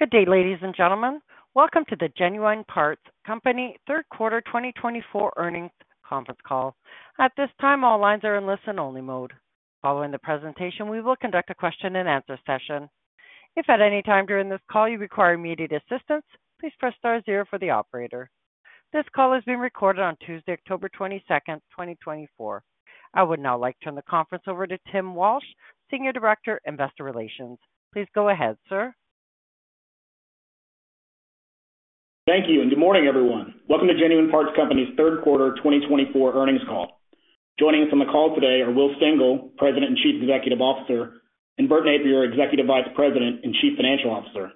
Good day, ladies and gentlemen. Welcome to the Genuine Parts Company Q3 2024 earnings conference call. At this time, all lines are in listen-only mode. Following the presentation, we will conduct a question-and-answer session. If at any time during this call you require immediate assistance, please press * zero for the operator. This call is being recorded on Tuesday, October 22nd, 2024. I would now like to turn the conference over to Tim Walsh, Senior Director, Investor Relations. Please go ahead, sir. Thank you, and good morning, everyone. Welcome to Genuine Parts Company's Q3 2024 Earnings Call. Joining us on the call today are Will Stengel, President and Chief Executive Officer, and Bert Nappier, Executive Vice President and Chief Financial Officer.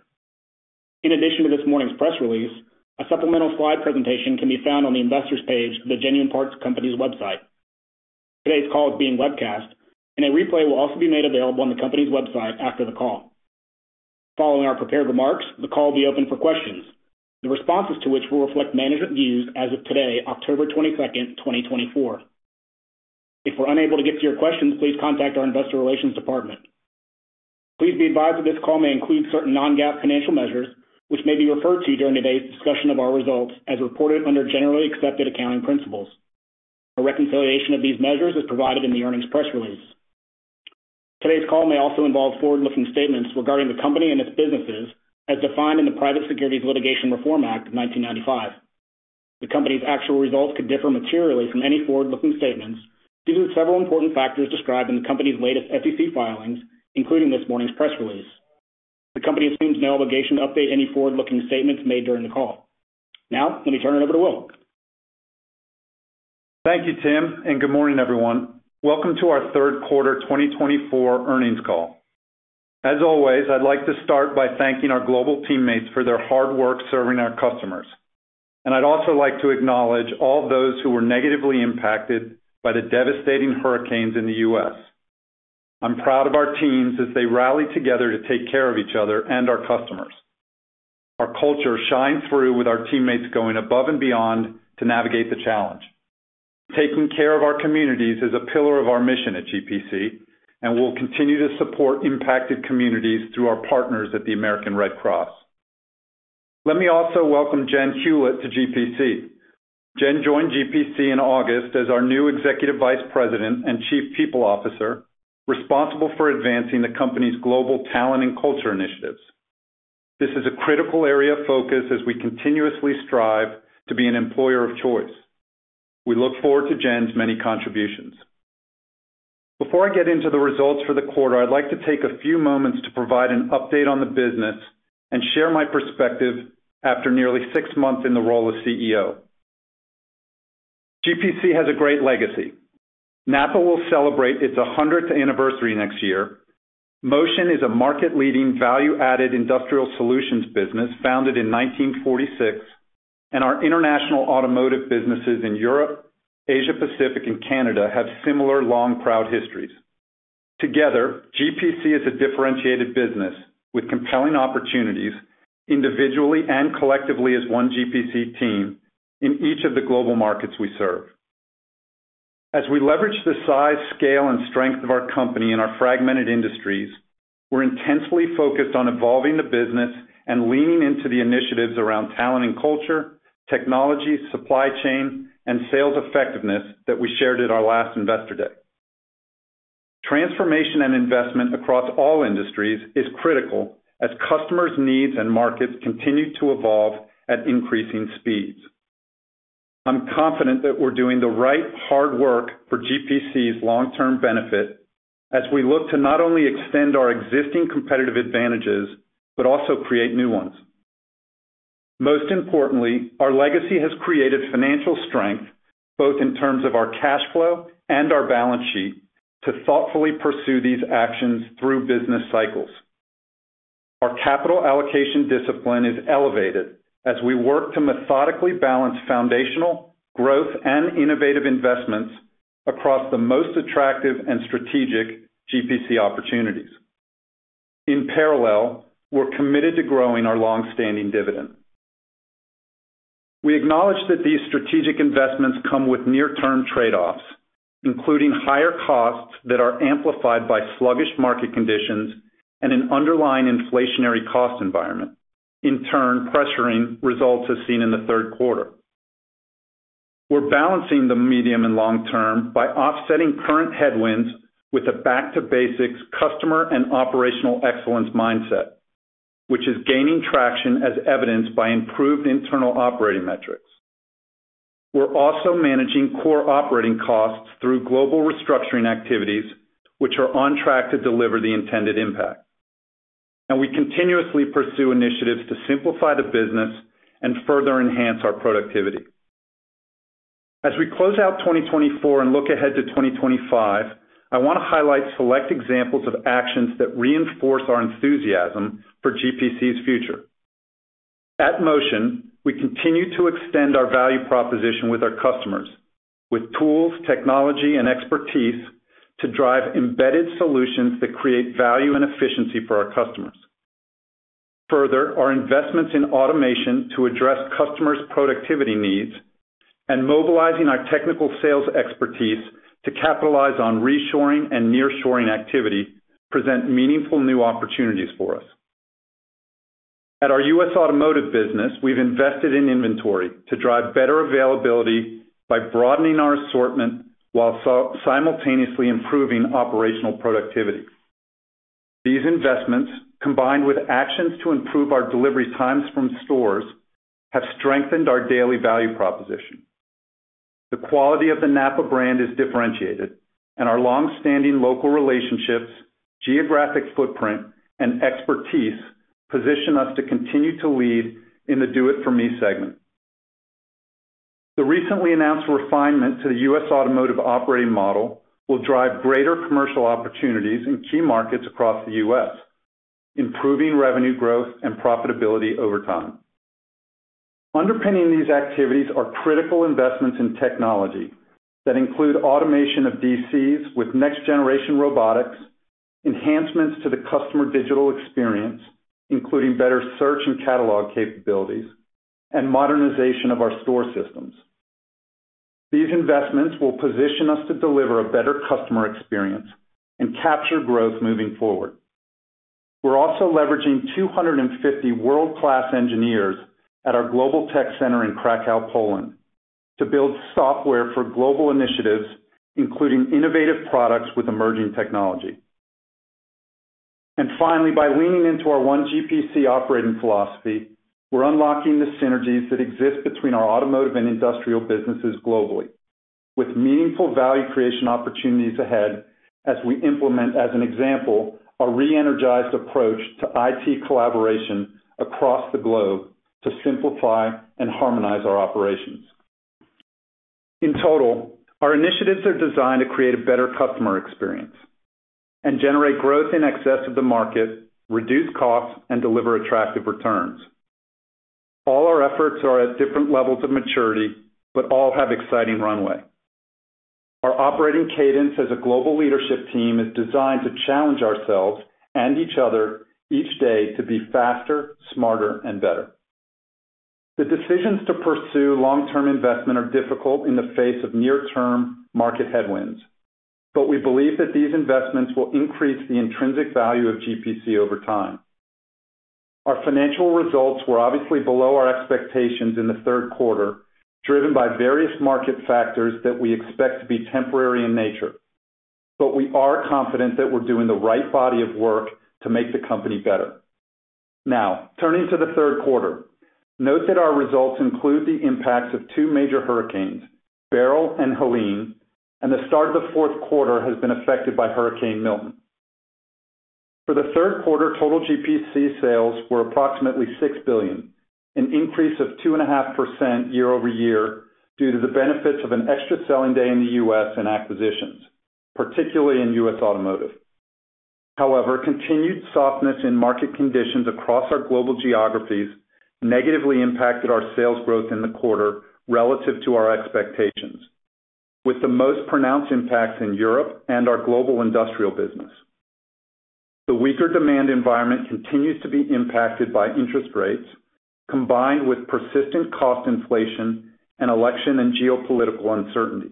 In addition to this morning's press release, a supplemental slide presentation can be found on the Investors page of the Genuine Parts Company's website. Today's call is being webcast, and a replay will also be made available on the company's website after the call. Following our prepared remarks, the call will be open for questions, the responses to which will reflect management views as of today, October 22nd, 2024. If we're unable to get to your questions, please contact our Investor Relations Department. Please be advised that this call may include certain non-GAAP financial measures, which may be referred to during today's discussion of our results as reported under generally accepted accounting principles. A reconciliation of these measures is provided in the earnings press release. Today's call may also involve forward-looking statements regarding the company and its businesses as defined in the Private Securities Litigation Reform Act of 1995. The company's actual results could differ materially from any forward-looking statements due to several important factors described in the company's latest SEC filings, including this morning's press release. The company assumes no obligation to update any forward-looking statements made during the call. Now, let me turn it over to Will. Thank you, Tim, and good morning, everyone. Welcome to our Q3 2024 Earnings Call. As always, I'd like to start by thanking our global teammates for their hard work serving our customers, and I'd also like to acknowledge all those who were negatively impacted by the devastating hurricanes in the U.S., I'm proud of our teams as they rallied together to take care of each other and our customers. Our culture shines through with our teammates going above and beyond to navigate the challenge. Taking care of our communities is a pillar of our mission at GPC, and we'll continue to support impacted communities through our partners at the American Red Cross. Let me also welcome Jen Hewlett to GPC. Jen joined GPC in August as our new Executive Vice President and Chief People Officer, responsible for advancing the company's global talent and culture initiatives. This is a critical area of focus as we continuously strive to be an employer of choice. We look forward to Jen's many contributions. Before I get into the results for the quarter, I'd like to take a few moments to provide an update on the business and share my perspective after nearly six months in the role of CEO. GPC has a great legacy. NAPA will celebrate its 100th anniversary next year. Motion is a market-leading, value-added industrial solutions business founded in 1946, and our international automotive businesses in Europe, Asia Pacific and Canada have similar long, proud histories. Together, GPC is a differentiated business with compelling opportunities, individually and collectively as One GPC team in each of the global markets we serve. As we leverage the size, scale, and strength of our company in our fragmented industries, we're intensely focused on evolving the business and leaning into the initiatives around talent and culture, technology, supply chain, and sales effectiveness that we shared at our last Investor Day. Transformation and investment across all industries is critical as customers' needs and markets continue to evolve at increasing speeds. I'm confident that we're doing the right hard work for GPC's long-term benefit as we look to not only extend our existing competitive advantages, but also create new ones. Most importantly, our legacy has created financial strength, both in terms of our cash flow and our balance sheet, to thoughtfully pursue these actions through business cycles. Our capital allocation discipline is elevated as we work to methodically balance foundational, growth and innovative investments across the most attractive and strategic GPC opportunities. In parallel, we're committed to growing our long-standing dividend. We acknowledge that these strategic investments come with near-term trade-offs, including higher costs that are amplified by sluggish market conditions and an underlying inflationary cost environment, in turn, pressuring results as seen in the Q3. We're balancing the medium and long term by offsetting current headwinds with a back-to-basics customer and operational excellence mindset, which is gaining traction as evidenced by improved internal operating metrics. We're also managing core operating costs through global restructuring activities, which are on track to deliver the intended impact. And we continuously pursue initiatives to simplify the business and further enhance our productivity. As we close out 2024 and look ahead to 2025, I wanna highlight select examples of actions that reinforce our enthusiasm for GPC's future. At Motion, we continue to extend our value proposition with our customers with tools, technology and expertise to drive embedded solutions that create value and efficiency for our customers. Further, our investments in automation to address customers' productivity needs, and mobilizing our technical sales expertise to capitalize on reshoring and nearshoring activity present meaningful new opportunities for us. At our U.S. Automotive business, we've invested in inventory to drive better availability by broadening our assortment while simultaneously improving operational productivity. These investments, combined with actions to improve our delivery times from stores, have strengthened our daily value proposition. The quality of the NAPA brand is differentiated, and our long-standing local relationships, geographic footprint, and expertise position us to continue to lead in the Do It For Me segment. The recently announced refinement to the U.S. Automotive operating model will drive greater commercial opportunities in key markets across the U.S., improving revenue growth and profitability over time. Underpinning these activities are critical investments in technology that include automation of DCs with next-generation robotics, enhancements to the customer digital experience, including better search and catalog capabilities, and modernization of our store systems. These investments will position us to deliver a better customer experience and capture growth moving forward. We're also leveraging 250 world-class engineers at our global tech center in Krakow, Poland, to build software for global initiatives, including innovative products with emerging technology. Finally, by leaning into our One GPC operating philosophy, we're unlocking the synergies that exist between our automotive and industrial businesses globally, with meaningful value creation opportunities ahead as we implement, as an example, a re-energized approach to IT collaboration across the globe to simplify and harmonize our operations. In total, our initiatives are designed to create a better customer experience and generate growth in excess of the market, reduce costs, and deliver attractive returns. All our efforts are at different levels of maturity, but all have exciting runway. Our operating cadence as a global leadership team is designed to challenge ourselves and each other each day to be faster, smarter, and better. The decisions to pursue long-term investment are difficult in the face of near-term market headwinds, but we believe that these investments will increase the intrinsic value of GPC over time. Our financial results were obviously below our expectations in the Q3, driven by various market factors that we expect to be temporary in nature, but we are confident that we're doing the right body of work to make the company better. Now, turning to the Q3. Note that our results include the impacts of two major hurricanes, Beryl and Helene, and the start of the Q4 has been affected by Hurricane Milton. For the Q3, total GPC sales were approximately $6 billion, an increase of 2.5% year-over-year due to the benefits of an extra selling day in the U.S. and acquisitions, particularly in U.S. Automotive. However, continued softness in market conditions across our global geographies negatively impacted our sales growth in the quarter relative to our expectations, with the most pronounced impacts in Europe and our global industrial business. The weaker demand environment continues to be impacted by interest rates, combined with persistent cost inflation and election and geopolitical uncertainty.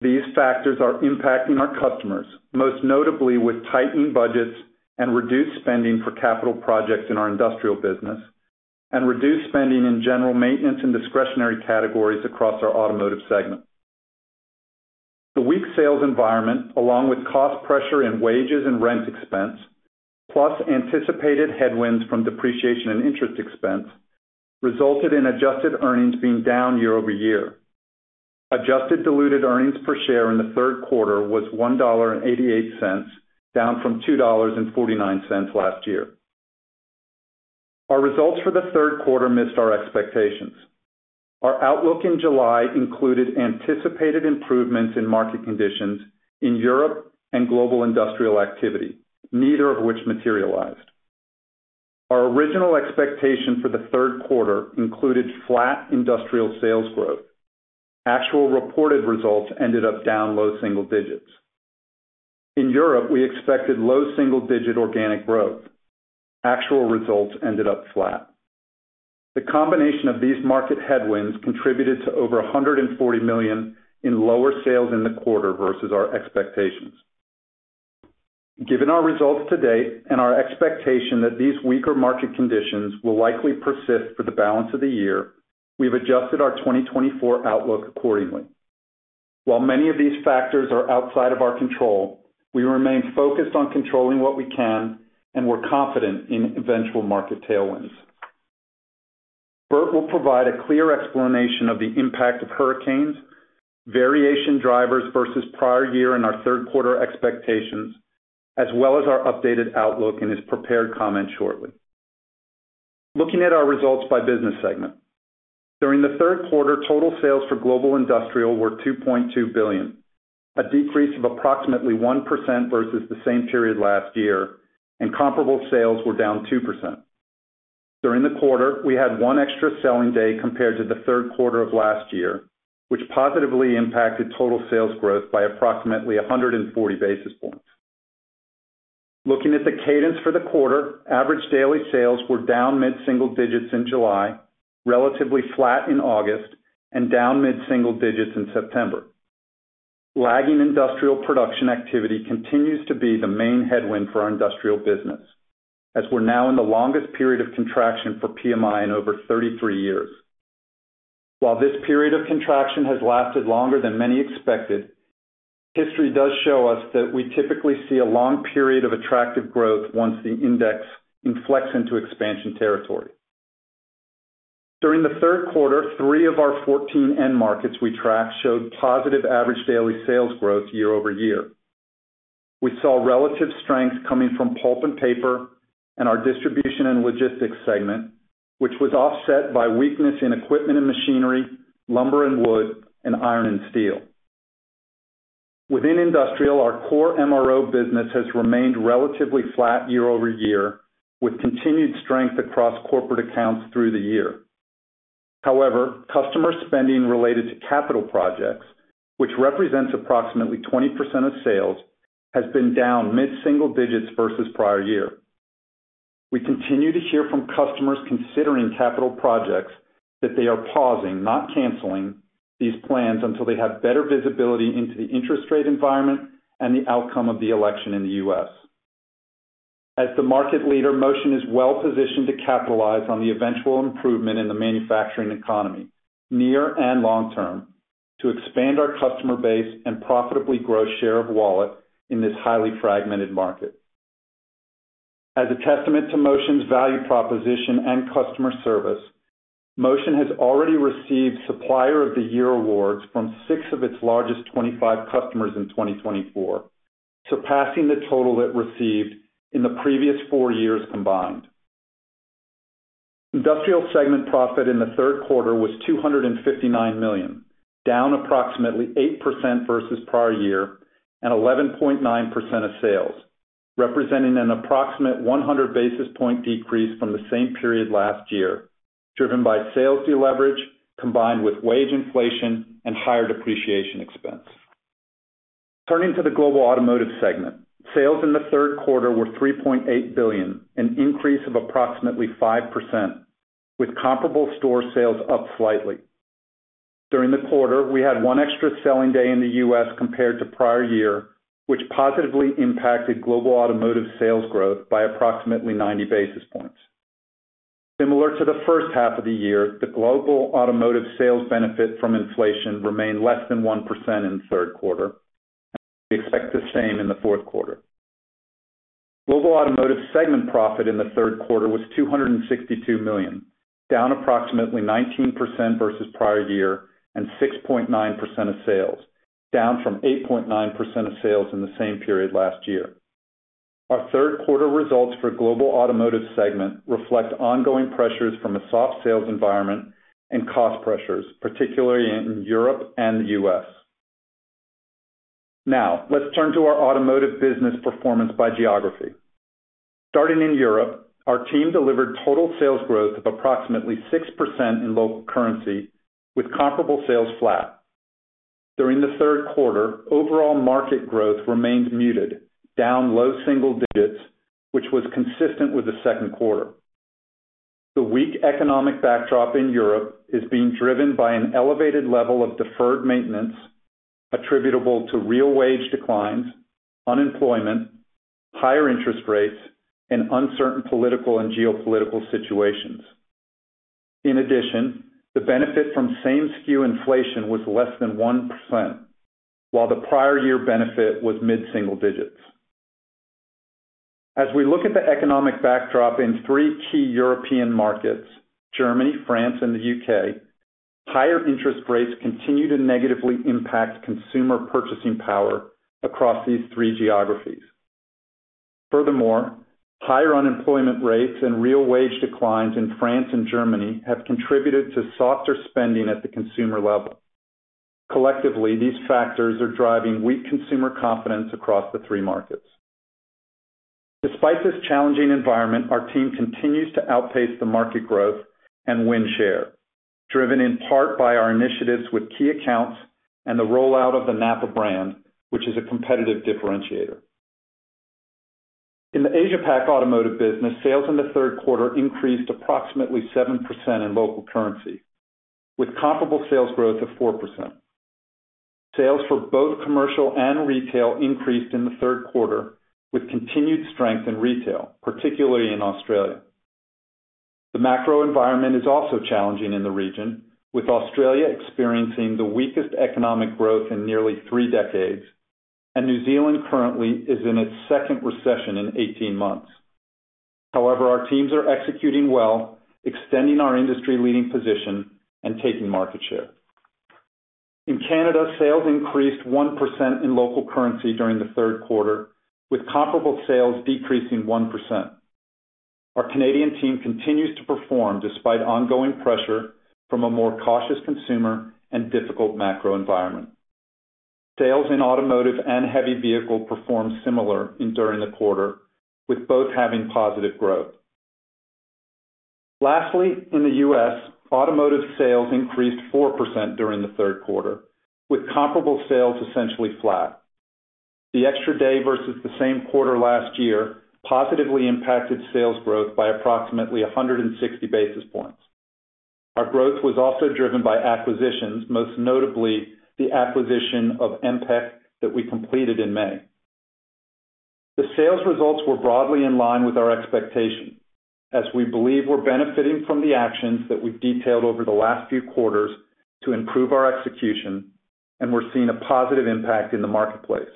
These factors are impacting our customers, most notably with tightened budgets and reduced spending for capital projects in our industrial business, and reduced spending in general maintenance and discretionary categories across our automotive segment. The weak sales environment, along with cost pressure and wages and rent expense, plus anticipated headwinds from depreciation and interest expense, resulted in adjusted earnings being down year-over-year. Adjusted diluted earnings per share in the Q3 was $1.88, down from $2.49 last year. Our results for the Q3 missed our expectations. Our outlook in July included anticipated improvements in market conditions in Europe and global industrial activity, neither of which materialized. Our original expectation for the Q3 included flat industrial sales growth. Actual reported results ended up down low single digits. In Europe, we expected low single-digit organic growth. Actual results ended up flat. The combination of these market headwinds contributed to over $140 million in lower sales in the quarter versus our expectations. Given our results to date and our expectation that these weaker market conditions will likely persist for the balance of the year, we've adjusted our 2024 outlook accordingly. While many of these factors are outside of our control, we remain focused on controlling what we can, and we're confident in eventual market tailwinds. Bert will provide a clear explanation of the impact of hurricanes, variation drivers versus prior year in our Q3 expectations, as well as our updated outlook in his prepared comments shortly. Looking at our results by business segment. During the Q3, total sales for global industrial were $2.2 billion, a decrease of approximately 1% versus the same period last year, and comparable sales were down 2%. During the quarter, we had one extra selling day compared to the Q3 of last year, which positively impacted total sales growth by approximately 140 basis points. Looking at the cadence for the quarter, average daily sales were down mid-single digits in July, relatively flat in August, and down mid-single digits in September. Lagging industrial production activity continues to be the main headwind for our industrial business, as we're now in the longest period of contraction for PMI in over 33 years. While this period of contraction has lasted longer than many expected, history does show us that we typically see a long period of attractive growth once the index inflects into expansion territory. During the Q3, three of our 14 end markets we track showed positive average daily sales growth year-over-year. We saw relative strength coming from pulp and paper and our distribution and logistics segment, which was offset by weakness in equipment and machinery, lumber and wood, and iron and steel. Within industrial, our core MRO business has remained relatively flat year-over-year, with continued strength across corporate accounts through the year. However, customer spending related to capital projects, which represents approximately 20% of sales, has been down mid-single digits versus prior year. We continue to hear from customers considering capital projects that they are pausing, not canceling, these plans until they have better visibility into the interest rate environment and the outcome of the election in the U.S. As the market leader, Motion is well positioned to capitalize on the eventual improvement in the manufacturing economy, near and long-term, to expand our customer base and profitably grow share of wallet in this highly fragmented market. As a testament to Motion's value proposition and customer service, Motion has already received Supplier of the Year awards from six of its largest 25 customers in 2024, surpassing the total it received in the previous four years combined. Industrial segment profit in the Q3 was $259 million, down approximately 8% versus prior year and 11.9% of sales, representing an approximate 100 basis point decrease from the same period last year, driven by sales deleverage, combined with wage inflation and higher depreciation expense. Turning to the Global Automotive segment. Sales in the Q3 were $3.8 billion, an increase of approximately 5%, with comparable store sales up slightly. During the quarter, we had one extra selling day in the U.S. compared to prior year, which positively impacted Global Automotive sales growth by approximately ninety basis points. Similar to the first half of the year, the Global Automotive sales benefit from inflation remained less than 1% in the Q3, and we expect the same in the Q4. Global Automotive segment profit in the Q3 was $262 million, down approximately 19% versus prior year, and 6.9% of sales, down from 8.9% of sales in the same period last year. Our Q3 results for global automotive segment reflect ongoing pressures from a soft sales environment and cost pressures, particularly in Europe and the U.S. Now, let's turn to our automotive business performance by geography. Starting in Europe, our team delivered total sales growth of approximately 6% in local currency, with comparable sales flat. During the Q3, overall market growth remained muted, down low single digits, which was consistent with the Q2. The weak economic backdrop in Europe is being driven by an elevated level of deferred maintenance attributable to real wage declines, unemployment, higher interest rates, and uncertain political and geopolitical situations. In addition, the benefit from same SKU inflation was less than 1%, while the prior year benefit was mid-single digits. As we look at the economic backdrop in three key European markets, Germany, France, and the U.K., higher interest rates continue to negatively impact consumer purchasing power across these three geographies. Furthermore, higher unemployment rates and real wage declines in France and Germany have contributed to softer spending at the consumer level. Collectively, these factors are driving weak consumer confidence across the three markets. Despite this challenging environment, our team continues to outpace the market growth and win share, driven in part by our initiatives with key accounts and the rollout of the NAPA brand, which is a competitive differentiator. In the Asia Pac automotive business, sales in the Q3 increased approximately 7% in local currency, with comparable sales growth of 4%. Sales for both commercial and retail increased in the Q3, with continued strength in retail, particularly in Australia. The macro environment is also challenging in the region, with Australia experiencing the weakest economic growth in nearly three decades, and New Zealand currently is in its second recession in 18 months. However, our teams are executing well, extending our industry-leading position and taking market share. In Canada, sales increased 1% in local currency during the Q3 with comparable sales decreasing 1%. Our Canadian team continues to perform despite ongoing pressure from a more cautious consumer and difficult macro environment. Sales in automotive and heavy vehicle performed similarly during the quarter, with both having positive growth. Lastly, in the U.S., automotive sales increased 4% during the Q3, with comparable sales essentially flat. The extra day versus the same quarter last year positively impacted sales growth by approximately 160 basis points. Our growth was also driven by acquisitions, most notably the acquisition of MPEC that we completed in May. The sales results were broadly in line with our expectations, as we believe we're benefiting from the actions that we've detailed over the last few quarters to improve our execution, and we're seeing a positive impact in the marketplace.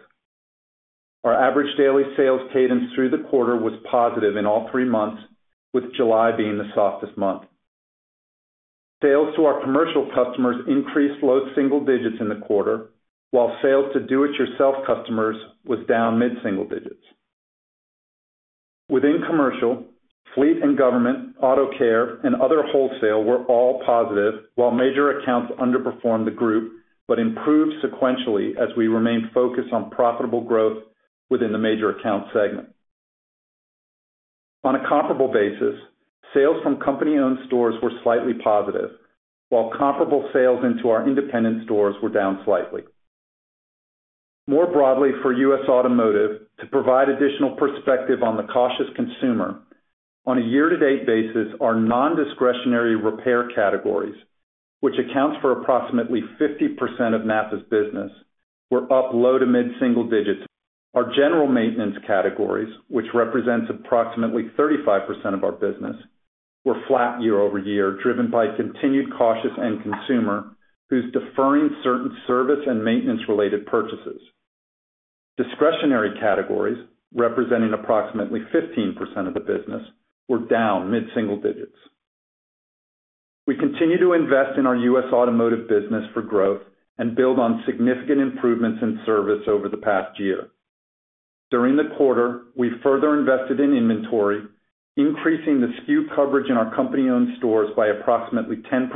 Our average daily sales cadence through the quarter was positive in all three months, with July being the softest month. Sales to our commercial customers increased low single digits in the quarter, while sales to Do It Yourself customers was down mid-single digits. Within commercial, fleet and government, auto care, and other wholesale were all positive, while major accounts underperformed the group, but improved sequentially as we remained focused on profitable growth within the major account segment. On a comparable basis, sales from company-owned stores were slightly positive, while comparable sales into our independent stores were down slightly. More broadly, for U.S. automotive, to provide additional perspective on the cautious consumer, on a year-to-date basis, our nondiscretionary repair categories, which accounts for approximately 50% of NAPA's business, were up low to mid-single digits. Our general maintenance categories, which represents approximately 35% of our business, were flat year-over-year, driven by continued cautious end consumer, who's deferring certain service and maintenance-related purchases. Discretionary categories, representing approximately 15% of the business, were down mid-single digits. We continue to invest in our U.S. automotive business for growth and build on significant improvements in service over the past year. During the quarter, we further invested in inventory, increasing the SKU coverage in our company-owned stores by approximately 10%,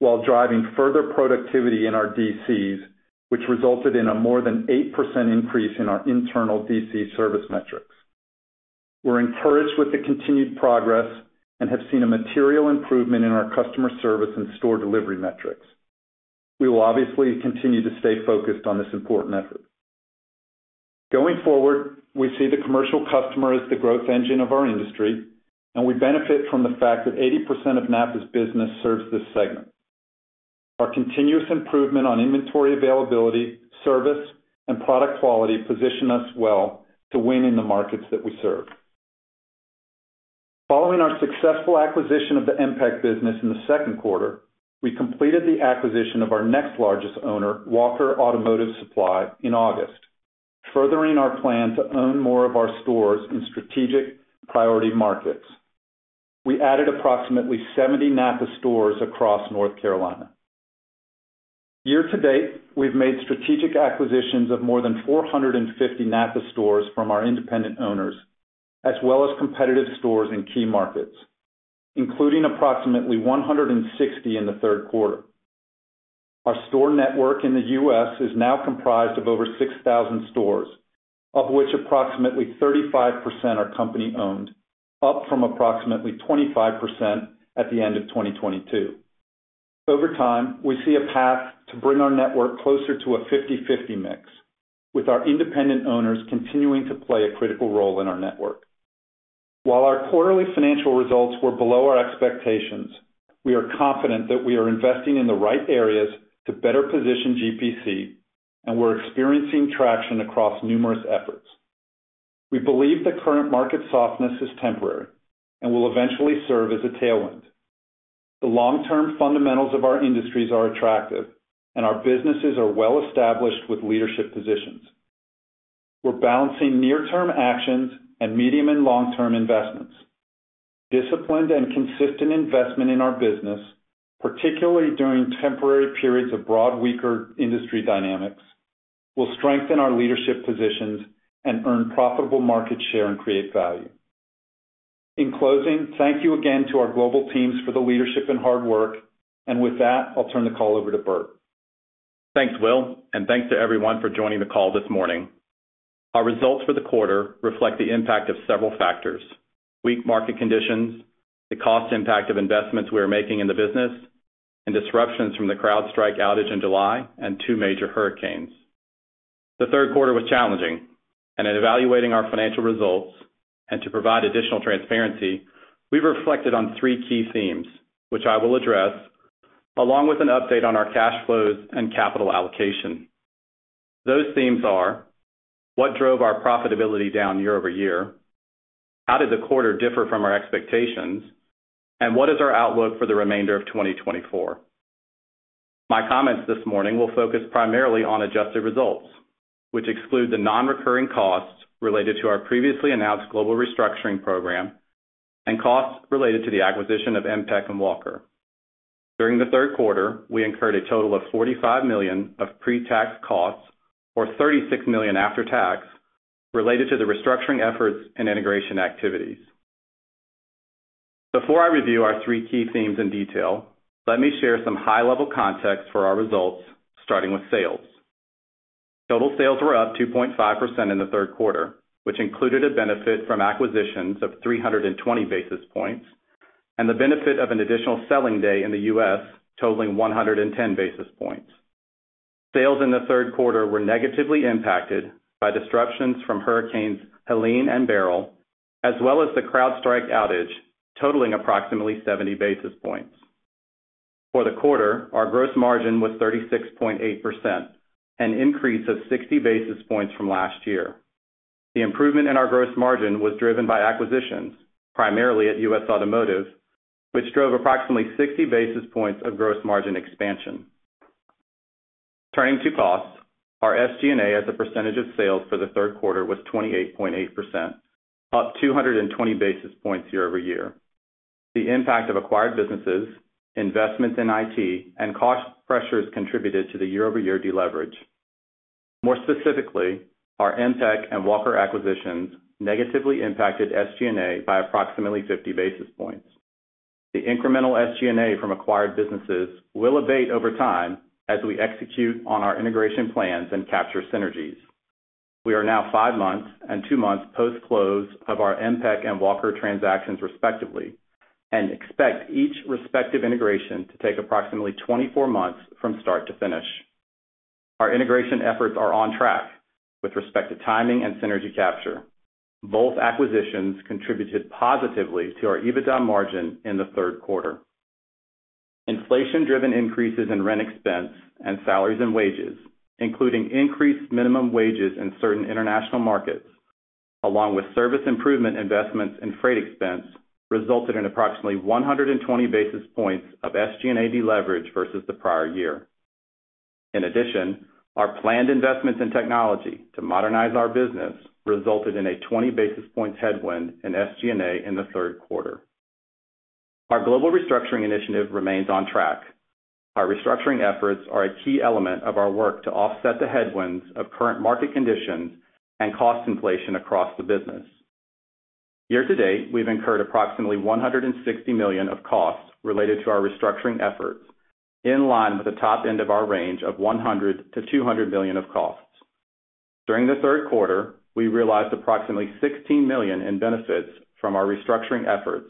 while driving further productivity in our DCs, which resulted in a more than 8% increase in our internal DC service metrics. We're encouraged with the continued progress and have seen a material improvement in our customer service and store delivery metrics. We will obviously continue to stay focused on this important effort. Going forward, we see the commercial customer as the growth engine of our industry, and we benefit from the fact that 80% of NAPA's business serves this segment. Our continuous improvement on inventory availability, service, and product quality position us well to win in the markets that we serve. Following our successful acquisition of the MPEC business in the Q2, we completed the acquisition of our next largest owner, Walker Automotive Supply, in August, furthering our plan to own more of our stores in strategic priority markets. We added approximately 70 NAPA stores across North Carolina. Year-to-date, we've made strategic acquisitions of more than 450 NAPA stores from our independent owners, as well as competitive stores in key markets, including approximately 160 in the Q3. Our store network in the U.S. is now comprised of over 6,000, of which approximately 35% are company-owned, up from approximately 25% at the end of 2022. Over time, we see a path to bring our network closer to a 50/50 mix, with our independent owners continuing to play a critical role in our network. While our quarterly financial results were below our expectations, we are confident that we are investing in the right areas to better position GPC, and we're experiencing traction across numerous efforts. We believe the current market softness is temporary and will eventually serve as a tailwind. The long-term fundamentals of our industries are attractive, and our businesses are well established with leadership positions. We're balancing near-term actions and medium and long-term investments. Disciplined and consistent investment in our business, particularly during temporary periods of broad, weaker industry dynamics, will strengthen our leadership positions and earn profitable market share and create value. In closing, thank you again to our global teams for the leadership and hard work, and with that, I'll turn the call over to Bert. Thanks, Will, and thanks to everyone for joining the call this morning. Our results for the quarter reflect the impact of several factors: weak market conditions, the cost impact of investments we are making in the business, and disruptions from the CrowdStrike outage in July and two major hurricanes. The Q3 was challenging, and in evaluating our financial results and to provide additional transparency, we've reflected on three key themes, which I will address, along with an update on our cash flows and capital allocation. Those themes are: what drove our profitability down year-over-year? How did the quarter differ from our expectations? And what is our outlook for the remainder of 2024? My comments this morning will focus primarily on adjusted results, which exclude the nonrecurring costs related to our previously announced global restructuring program and costs related to the acquisition of MPEC and Walker. During the Q3, we incurred a total of $45 million of pre-tax costs, or $36 million after tax, related to the restructuring efforts and integration activities. Before I review our three key themes in detail, let me share some high-level context for our results, starting with sales. Total sales were up 2.5% in the Q3, which included a benefit from acquisitions of 320 basis points and the benefit of an additional selling day in the U.S., totaling 110 basis points. Sales in the Q3 were negatively impacted by disruptions from hurricanes, Helene and Beryl, as well as the CrowdStrike outage, totaling approximately 70 basis points. For the quarter, our gross margin was 36.8%, an increase of 60 basis points from last year. The improvement in our gross margin was driven by acquisitions, primarily at U.S. Automotive, which drove approximately 60 basis points of gross margin expansion. Turning to costs, our SG&A as a percentage of sales for the Q3 was 28.8%, up 220 basis points year-over-year. The impact of acquired businesses, investments in IT, and cost pressures contributed to the year-over-year deleverage. More specifically, our MPEC and Walker acquisitions negatively impacted SG&A by approximately 50 basis points. The incremental SG&A from acquired businesses will abate over time as we execute on our integration plans and capture synergies. We are now five months and two months post-close of our MPEC and Walker transactions, respectively, and expect each respective integration to take approximately 24 months from start to finish. Our integration efforts are on track with respect to timing and synergy capture. Both acquisitions contributed positively to our EBITDA margin in the Q3. Inflation-driven increases in rent expense and salaries and wages, including increased minimum wages in certain international markets, along with service improvement investments and freight expense, resulted in approximately 120 basis points of SG&A deleverage versus the prior year. In addition, our planned investments in technology to modernize our business resulted in a 20 basis points headwind in SG&A in the Q3. Our global restructuring initiative remains on track. Our restructuring efforts are a key element of our work to offset the headwinds of current market conditions and cost inflation across the business. Year-to-date, we've incurred approximately $160 million of costs related to our restructuring efforts, in line with the top end of our range of $100 to $200 million of costs. During the Q3, we realized approximately $16 million in benefits from our restructuring efforts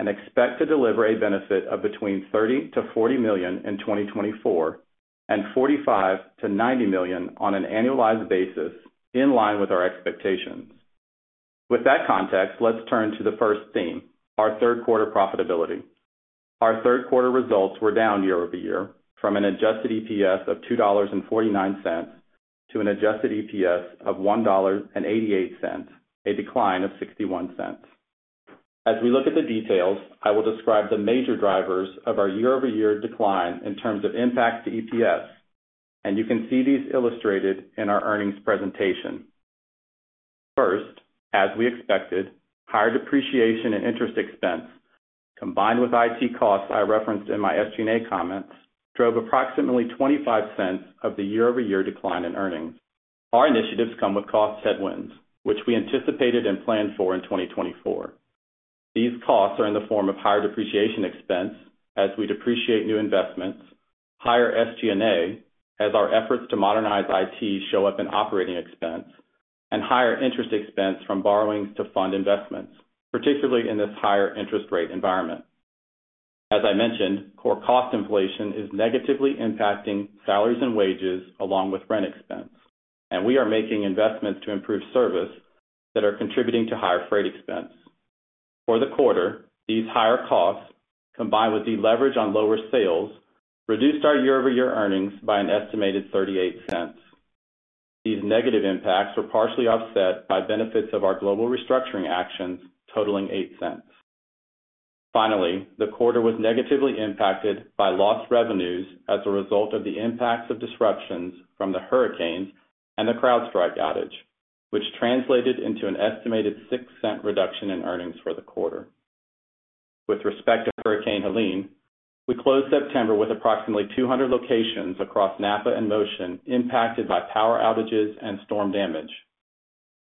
and expect to deliver a benefit of between $30 to $40 million in 2024, and $45 to $90 million on an annualized basis, in line with our expectations. With that context, let's turn to the first theme, our Q3 profitability. Our Q3 results were down year-over-year from an adjusted EPS of $2.49 to an adjusted EPS of $1.88, a decline of $0.61. As we look at the details, I will describe the major drivers of our year-over-year decline in terms of impact to EPS, and you can see these illustrated in our earnings presentation. First, as we expected, higher depreciation and interest expense, combined with IT costs I referenced in my SG&A comments, drove approximately $0.25 of the year-over-year decline in earnings. Our initiatives come with cost headwinds, which we anticipated and planned for in 2024. These costs are in the form of higher depreciation expense as we depreciate new investments, higher SG&A, as our efforts to modernize IT show up in operating expense, and higher interest expense from borrowings to fund investments, particularly in this higher interest rate environment. As I mentioned, core cost inflation is negatively impacting salaries and wages along with rent expense, and we are making investments to improve service that are contributing to higher freight expense. For the quarter, these higher costs, combined with deleverage on lower sales, reduced our year-over-year earnings by an estimated $0.38. These negative impacts were partially offset by benefits of our global restructuring actions, totaling $0.08. Finally, the quarter was negatively impacted by lost revenues as a result of the impacts of disruptions from the hurricanes and the CrowdStrike outage, which translated into an estimated $0.06 reduction in earnings for the quarter. With respect to Hurricane Helene, we closed September with approximately 200 locations across NAPA and Motion impacted by power outages and storm damage.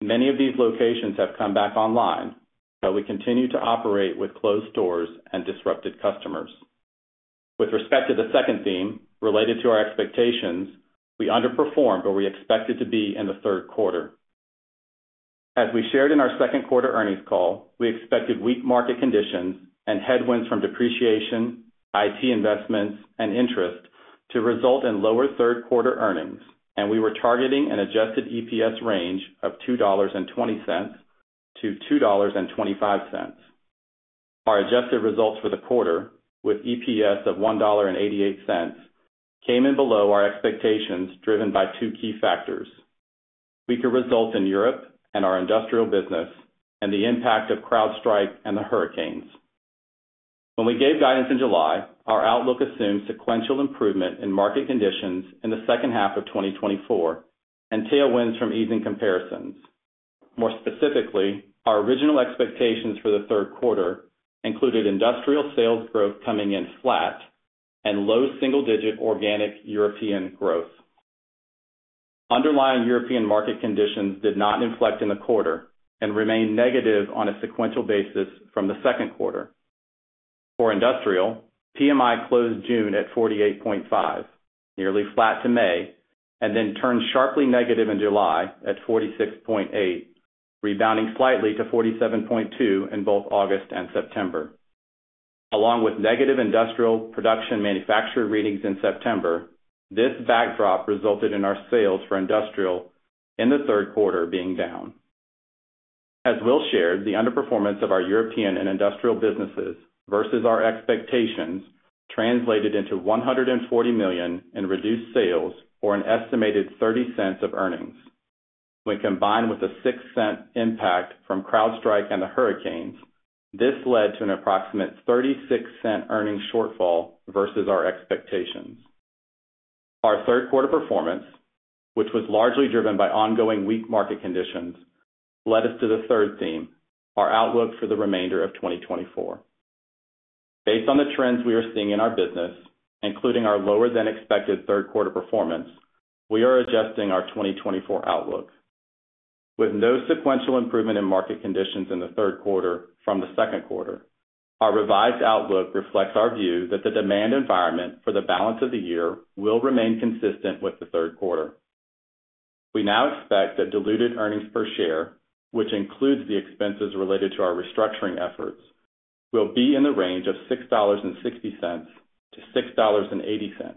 Many of these locations have come back online, but we continue to operate with closed stores and disrupted customers. With respect to the second theme, related to our expectations, we underperformed where we expected to be in the Q3. As we shared in our Q2 earnings call, we expected weak market conditions and headwinds from depreciation, IT investments, and interest to result in lower Q3 earnings, and we were targeting an adjusted EPS range of $2.20 to $2.25. Our adjusted results for the quarter, with EPS of $1.88, came in below our expectations, driven by two key factors: weaker results in Europe and our industrial business, and the impact of CrowdStrike and the hurricanes. When we gave guidance in July, our outlook assumed sequential improvement in market conditions in the second half of 2024 and tailwinds from easing comparisons. More specifically, our original expectations for the Q3 included industrial sales growth coming in flat and low single-digit organic European growth. Underlying European market conditions did not inflect in the quarter and remained negative on a sequential basis from the Q2. For industrial, PMI closed June at 48.5, nearly flat to May, and then turned sharply negative in July at 46.8, rebounding slightly to 47.2 in both August and September. Along with negative industrial production manufacturing readings in September, this backdrop resulted in our sales for industrial in the Q3 being down. As Will shared, the underperformance of our European and industrial businesses versus our expectations translated into $140 million in reduced sales or an estimated $0.30 of earnings. When combined with a $0.06 impact from CrowdStrike and the hurricanes, this led to an approximate $0.36 earnings shortfall versus our expectations. Our Q3 performance, which was largely driven by ongoing weak market conditions, led us to the third theme, our outlook for the remainder of 2024. Based on the trends we are seeing in our business, including our lower than expected Q3 performance, we are adjusting our 2024 outlook. With no sequential improvement in market conditions in the Q3 from the Q2, our revised outlook reflects our view that the demand environment for the balance of the year will remain consistent with the Q3. We now expect that diluted earnings per share, which includes the expenses related to our restructuring efforts, will be in the range of $6.60 to $6.80,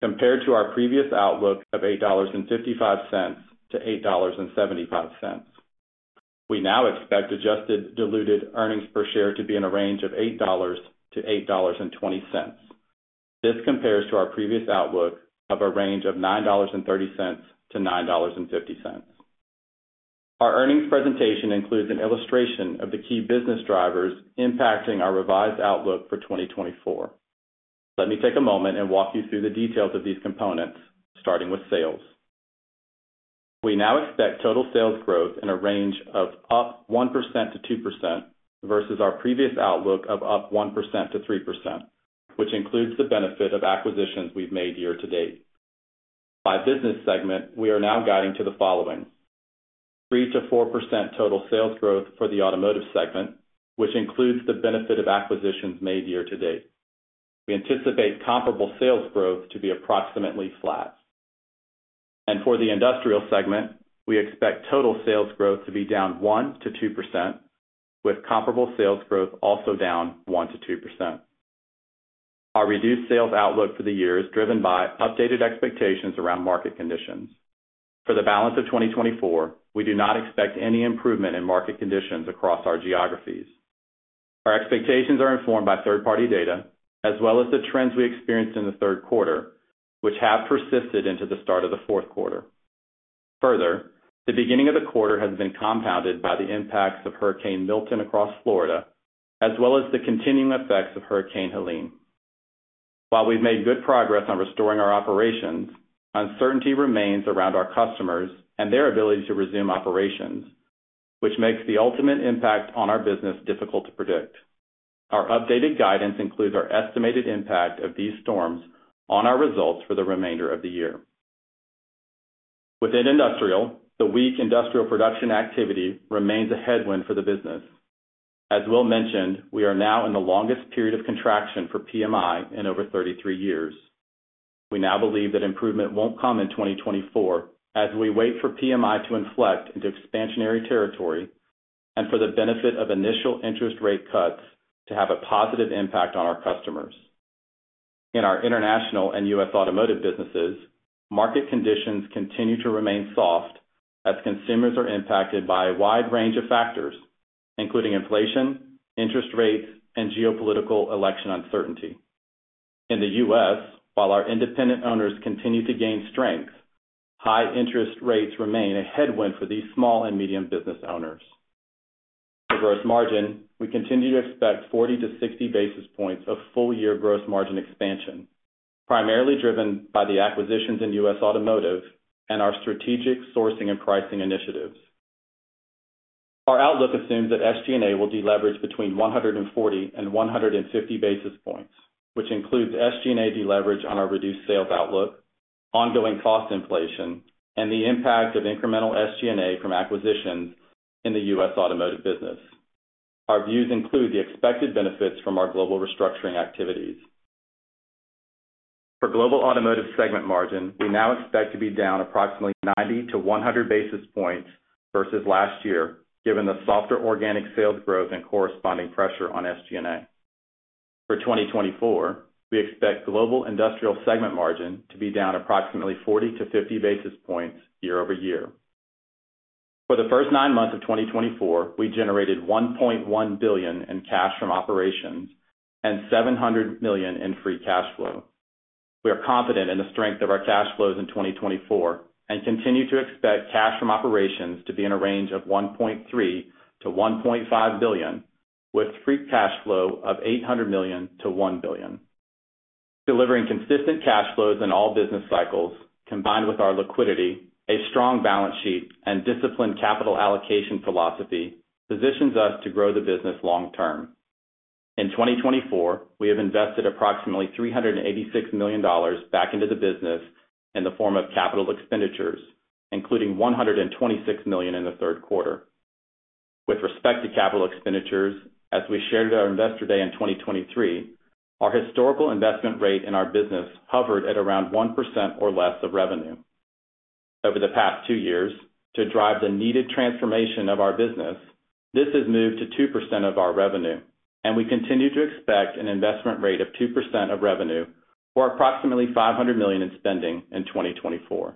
compared to our previous outlook of $8.55 to $8.75. We now expect adjusted diluted earnings per share to be in a range of $8 to $8.20. This compares to our previous outlook of a range of $9.30 to $9.50. Our earnings presentation includes an illustration of the key business drivers impacting our revised outlook for 2024. Let me take a moment and walk you through the details of these components, starting with sales. We now expect total sales growth in a range of up 1% to 2% versus our previous outlook of up 1% to 3%, which includes the benefit of acquisitions we've made year-to-date. By business segment, we are now guiding to the following: 3% to 4% total sales growth for the automotive segment, which includes the benefit of acquisitions made year-to-date. We anticipate comparable sales growth to be approximately flat, and for the industrial segment, we expect total sales growth to be down 1% to 2%, with comparable sales growth also down 1% to 2%. Our reduced sales outlook for the year is driven by updated expectations around market conditions. For the balance of 2024, we do not expect any improvement in market conditions across our geographies. Our expectations are informed by third-party data, as well as the trends we experienced in the Q3, which have persisted into the start of the Q4. Further, the beginning of the quarter has been compounded by the impacts of Hurricane Milton across Florida, as well as the continuing effects of Hurricane Helene. While we've made good progress on restoring our operations, uncertainty remains around our customers and their ability to resume operations, which makes the ultimate impact on our business difficult to predict. Our updated guidance includes our estimated impact of these storms on our results for the remainder of the year. Within industrial, the weak industrial production activity remains a headwind for the business. As Will mentioned, we are now in the longest period of contraction for PMI in over 33 years. We now believe that improvement won't come in 2024, as we wait for PMI to inflect into expansionary territory and for the benefit of initial interest rate cuts to have a positive impact on our customers. In our international and U.S. automotive businesses, market conditions continue to remain soft as consumers are impacted by a wide range of factors, including inflation, interest rates, and geopolitical election uncertainty. In the U.S., while our independent owners continue to gain strength, high interest rates remain a headwind for these small and medium business owners. For gross margin, we continue to expect 40 to 60 basis points of full-year gross margin expansion, primarily driven by the acquisitions in U.S. automotive and our strategic sourcing and pricing initiatives. Our outlook assumes that SG&A will deleverage between 140 and 150 basis points, which includes SG&A deleverage on our reduced sales outlook, ongoing cost inflation, and the impact of incremental SG&A from acquisitions in the U.S. automotive business. Our views include the expected benefits from our global restructuring activities. For global automotive segment margin, we now expect to be down approximately 90 to 100 basis points versus last year, given the softer organic sales growth and corresponding pressure on SG&A. For 2024, we expect global industrial segment margin to be down approximately 40 to 50 basis points year-over-year. For the first nine months of 2024, we generated $1.1 billion in cash from operations and $700 million in free cash flow. We are confident in the strength of our cash flows in 2024 and continue to expect cash from operations to be in a range of $1.3 to $1.5 billion, with free cash flow of $800 million to $1 billion. Delivering consistent cash flows in all business cycles, combined with our liquidity, a strong balance sheet, and disciplined capital allocation philosophy, positions us to grow the business long term. In 2024, we have invested approximately $386 million back into the business in the form of capital expenditures. Including $126 million in the Q3. With respect to capital expenditures, as we shared at our Investor Day in 2023, our historical investment rate in our business hovered at around 1% or less of revenue. Over the past two years, to drive the needed transformation of our business, this has moved to 2% of our revenue, and we continue to expect an investment rate of 2% of revenue, or approximately $500 million in spending in 2024.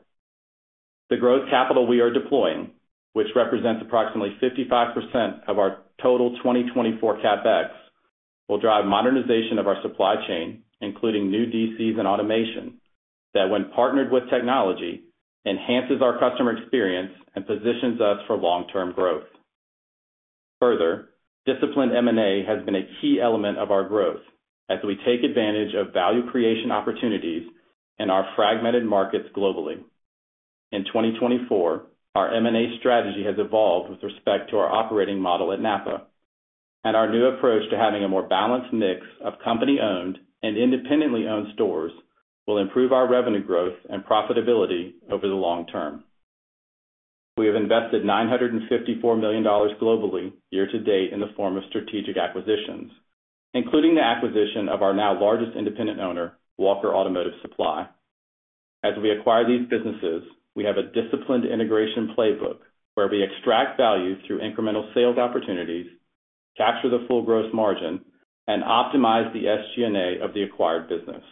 The growth capital we are deploying, which represents approximately 55% of our total 2024 CapEx, will drive modernization of our supply chain, including new DCs and automation, that, when partnered with technology, enhances our customer experience and positions us for long-term growth. Further, disciplined M&A has been a key element of our growth as we take advantage of value creation opportunities in our fragmented markets globally. In 2024, our M&A strategy has evolved with respect to our operating model at NAPA, and our new approach to having a more balanced mix of company-owned and independently owned stores will improve our revenue growth and profitability over the long term. We have invested $954 million globally year-to-date in the form of strategic acquisitions, including the acquisition of our now largest independent owner, Walker Automotive Supply. As we acquire these businesses, we have a disciplined integration playbook, where we extract value through incremental sales opportunities, capture the full gross margin, and optimize the SG&A of the acquired business.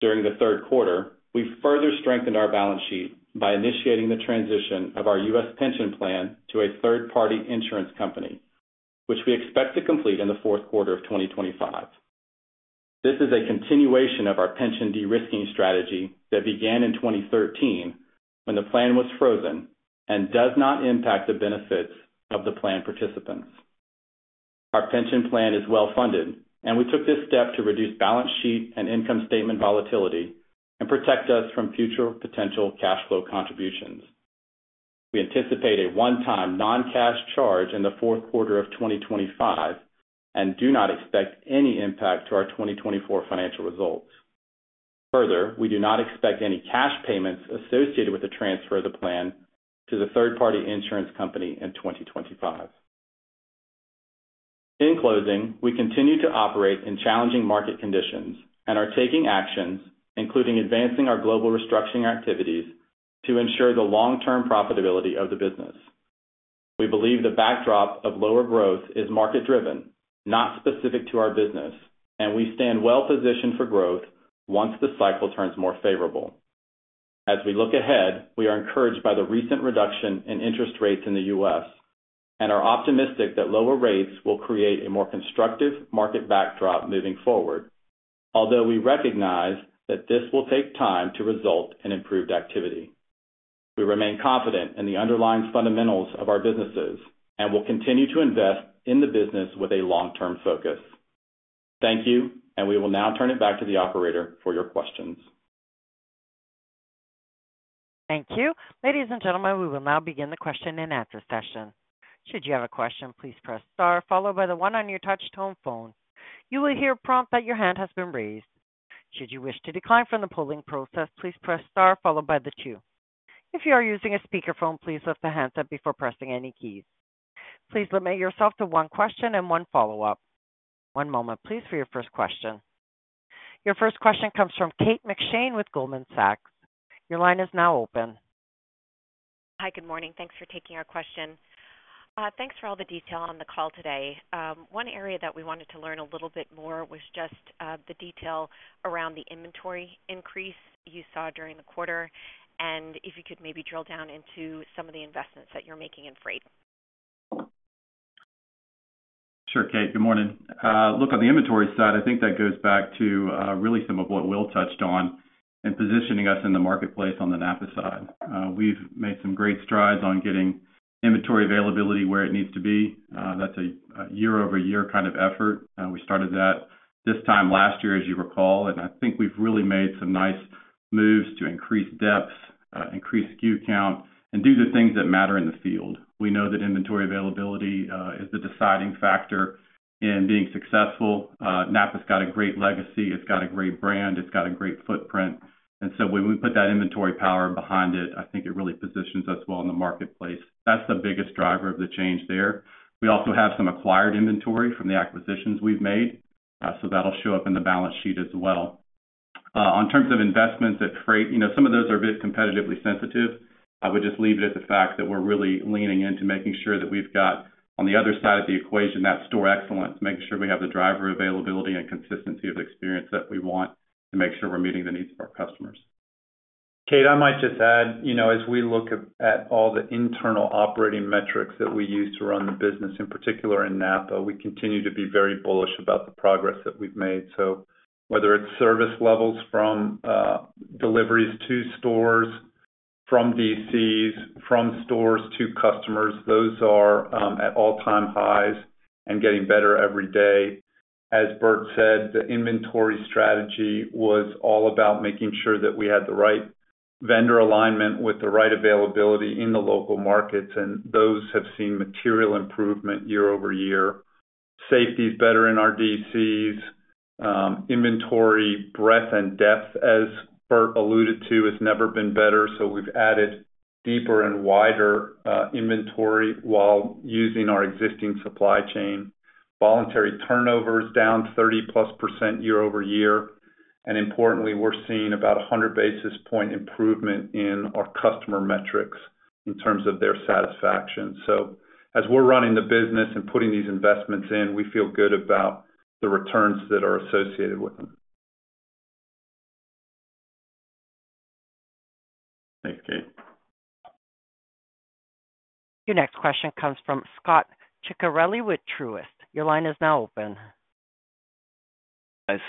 During the Q3, we further strengthened our balance sheet by initiating the transition of our U.S. pension plan to a third-party insurance company, which we expect to complete in the Q4 of 2025. This is a continuation of our pension de-risking strategy that began in 2013, when the plan was frozen and does not impact the benefits of the plan participants. Our pension plan is well-funded, and we took this step to reduce balance sheet and income statement volatility and protect us from future potential cash flow contributions. We anticipate a one-time non-cash charge in the Q4 of 2025 and do not expect any impact to our 2024 financial results. Further, we do not expect any cash payments associated with the transfer of the plan to the third-party insurance company in 2025. In closing, we continue to operate in challenging market conditions and are taking actions, including advancing our global restructuring activities, to ensure the long-term profitability of the business. We believe the backdrop of lower growth is market-driven, not specific to our business, and we stand well positioned for growth once the cycle turns more favorable. As we look ahead, we are encouraged by the recent reduction in interest rates in the U.S. and are optimistic that lower rates will create a more constructive market backdrop moving forward, although we recognize that this will take time to result in improved activity. We remain confident in the underlying fundamentals of our businesses and will continue to invest in the business with a long-term focus. Thank you, and we will now turn it back to the operator for your questions. Thank you. Ladies and gentlemen, we will now begin the question-and-answer session. Should you have a question, please press * followed by the one on your touch tone phone. You will hear a prompt that your hand has been raised. Should you wish to decline from the polling process, please press * followed by the two. If you are using a speakerphone, please lift the handset before pressing any keys. Please limit yourself to one question and one follow-up. One moment, please, for your first question. Your first question comes from Kate McShane with Goldman Sachs. Your line is now open. Hi, good morning. Thanks for taking our question. Thanks for all the detail on the call today. One area that we wanted to learn a little bit more was just the detail around the inventory increase you saw during the quarter, and if you could maybe drill down into some of the investments that you're making in freight. Sure, Kate. Good morning. Look, on the inventory side, I think that goes back to really some of what Will touched on in positioning us in the marketplace on the NAPA side. We've made some great strides on getting inventory availability where it needs to be. That's a year-over-year kind of effort. We started that this time last year, as you recall, and I think we've really made some nice moves to increase depths, increase SKU count, and do the things that matter in the field. We know that inventory availability is the deciding factor in being successful. NAPA's got a great legacy, it's got a great brand, it's got a great footprint, and so when we put that inventory power behind it, I think it really positions us well in the marketplace. That's the biggest driver of the change there. We also have some acquired inventory from the acquisitions we've made, so that'll show up in the balance sheet as well. In terms of investments in freight, you know, some of those are a bit competitively sensitive. I would just leave it at the fact that we're really leaning into making sure that we've got, on the other side of the equation, that store excellence, making sure we have the driver availability and consistency of experience that we want to make sure we're meeting the needs of our customers. Kate, I might just add, you know, as we look at all the internal operating metrics that we use to run the business, in particular in NAPA, we continue to be very bullish about the progress that we've made. So whether it's service levels from deliveries to stores, from DCs, from stores to customers, those are at all-time highs and getting better every day. As Bert said, the inventory strategy was all about making sure that we had the right vendor alignment with the right availability in the local markets, and those have seen material improvement year-over-year. Safety is better in our DCs. Inventory, breadth and depth, as Bert alluded to, has never been better, so we've added deeper and wider inventory while using our existing supply chain. Voluntary turnover is down 30%+ year-over-year, and importantly, we're seeing about 100 basis point improvement in our customer metrics in terms of their satisfaction. So as we're running the business and putting these investments in, we feel good about the returns that are associated with them. Thanks, Kate. Your next question comes from Scot Ciccarelli with Truist. Your line is now open. Yes.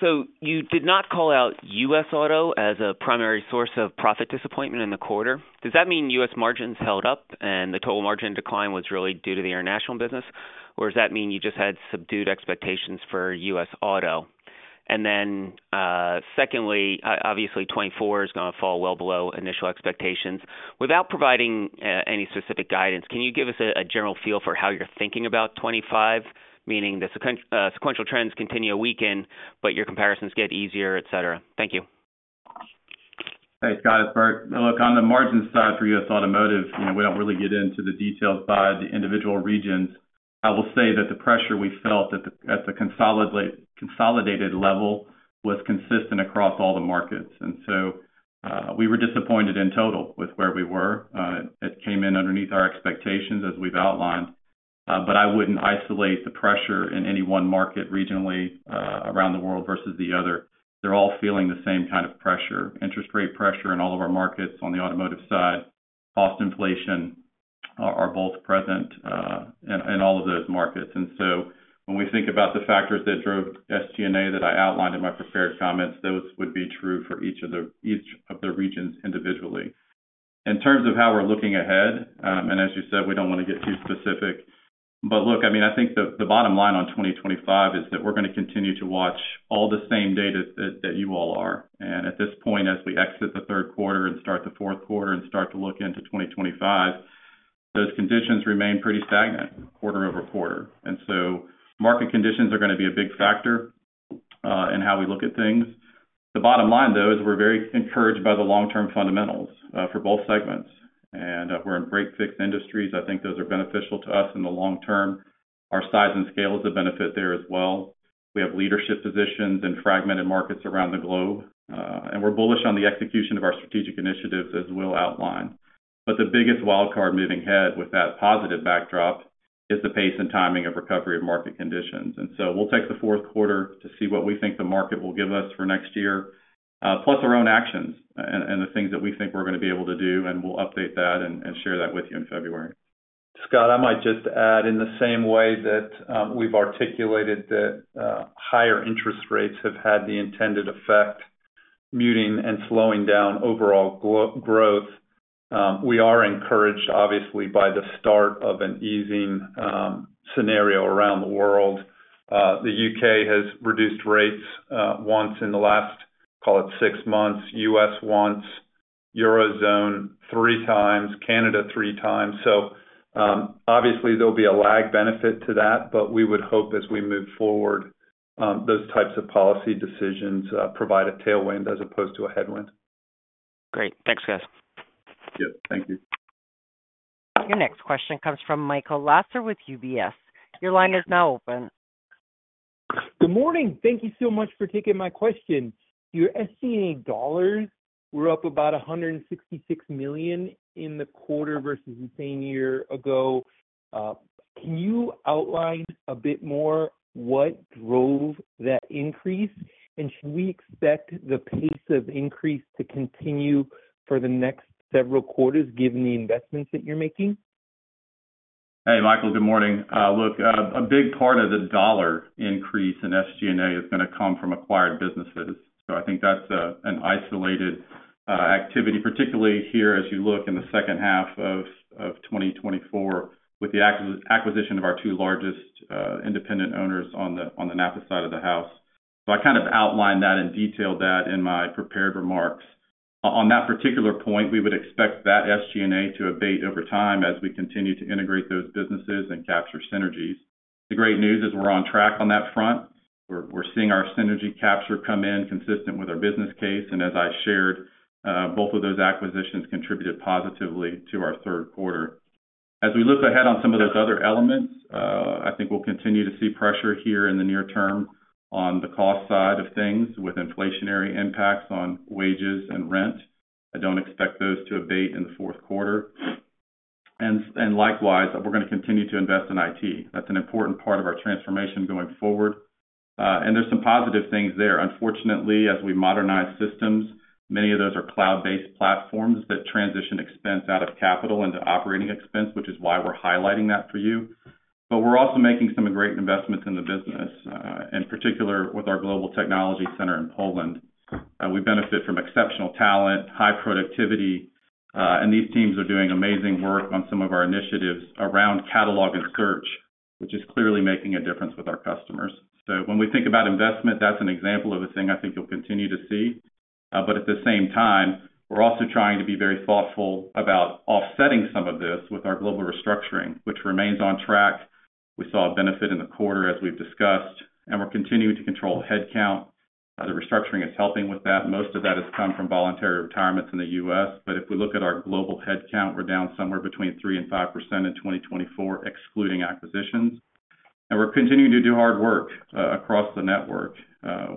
So you did not call out U.S. Auto as a primary source of profit disappointment in the quarter. Does that mean U.S. margins held up and the total margin decline was really due to the international business? Or does that mean you just had subdued expectations for U.S. Auto? And then, secondly, obviously, 2024 is going to fall well below initial expectations. Without providing any specific guidance, can you give us a general feel for how you're thinking about 2025, meaning the sequential trends continue to weaken, but your comparisons get easier, et cetera? Thank you. Hey, Scot, it's Bert. Look, on the margin side, for U.S. Automotive, you know, we don't really get into the details by the individual regions. I will say that the pressure we felt at the consolidated level was consistent across all the markets, and so we were disappointed in total with where we were. It came in underneath our expectations, as we've outlined, but I wouldn't isolate the pressure in any one market regionally around the world versus the other. They're all feeling the same kind of pressure, interest rate pressure in all of our markets on the automotive side. Cost inflation are both present in all of those markets. And so when we think about the factors that drove SG&A that I outlined in my prepared comments, those would be true for each of the regions individually. In terms of how we're looking ahead, and as you said, we don't want to get too specific. But look, I mean, I think the bottom line on 2025 is that we're going to continue to watch all the same data that you all are. And at this point, as we exit the Q3 and start the Q4 and start to look into 2025, those conditions remain pretty stagnant quarter-over-quarter. And so market conditions are going to be a big factor in how we look at things. The bottom line, though, is we're very encouraged by the long-term fundamentals for both segments. And we're in break-fix industries. I think those are beneficial to us in the long term. Our size and scale is a benefit there as well. We have leadership positions in fragmented markets around the globe, and we're bullish on the execution of our strategic initiatives, as we'll outline, but the biggest wildcard moving ahead with that positive backdrop is the pace and timing of recovery of market conditions, and so we'll take the Q4 to see what we think the market will give us for next year, plus our own actions and the things that we think we're going to be able to do, and we'll update that and share that with you in February. Scott, I might just add, in the same way that, we've articulated that, higher interest rates have had the intended effect, muting and slowing down overall growth, we are encouraged, obviously, by the start of an easing, scenario around the world. The U.K. has reduced rates, once in the last, call it six months. U.S., once. Eurozone, three times. Canada, three times. So, obviously, there'll be a lag benefit to that, but we would hope as we move forward, those types of policy decisions, provide a tailwind as opposed to a headwind. Great. Thanks, guys. Yeah, thank you. Your next question comes from Michael Lasser with UBS. Your line is now open. Good morning. Thank you so much for taking my question. Your SG&A dollars were up about $166 million in the quarter versus the same year ago. Can you outline a bit more what drove that increase? And should we expect the pace of increase to continue for the next several quarters, given the investments that you're making? Hey, Michael, good morning. Look, a big part of the dollar increase in SG&A is going to come from acquired businesses. So I think that's an isolated activity, particularly here as you look in the second half of 2024 with the acquisition of our two largest independent owners on the NAPA side of the house. So I kind of outlined that and detailed that in my prepared remarks. On that particular point, we would expect that SG&A to abate over time as we continue to integrate those businesses and capture synergies. The great news is we're on track on that front. We're seeing our synergy capture come in consistent with our business case, and as I shared, both of those acquisitions contributed positively to our Q3. As we look ahead on some of those other elements, I think we'll continue to see pressure here in the near term on the cost side of things, with inflationary impacts on wages and rent. I don't expect those to abate in the Q4, and, and likewise, we're going to continue to invest in IT. That's an important part of our transformation going forward, and there's some positive things there. Unfortunately, as we modernize systems, many of those are cloud-based platforms that transition expense out of capital into operating expense, which is why we're highlighting that for you, but we're also making some great investments in the business, in particular with our Global Technology Center in Poland. We benefit from exceptional talent, high productivity, and these teams are doing amazing work on some of our initiatives around catalog and search, which is clearly making a difference with our customers. So when we think about investment, that's an example of a thing I think you'll continue to see, but at the same time, we're also trying to be very thoughtful about offsetting some of this with our global restructuring, which remains on track. We saw a benefit in the quarter, as we've discussed, and we're continuing to control headcount. The restructuring is helping with that. Most of that has come from voluntary retirements in the U.S., but if we look at our global headcount, we're down somewhere between 3% and 5% in 2024, excluding acquisitions. And we're continuing to do hard work across the network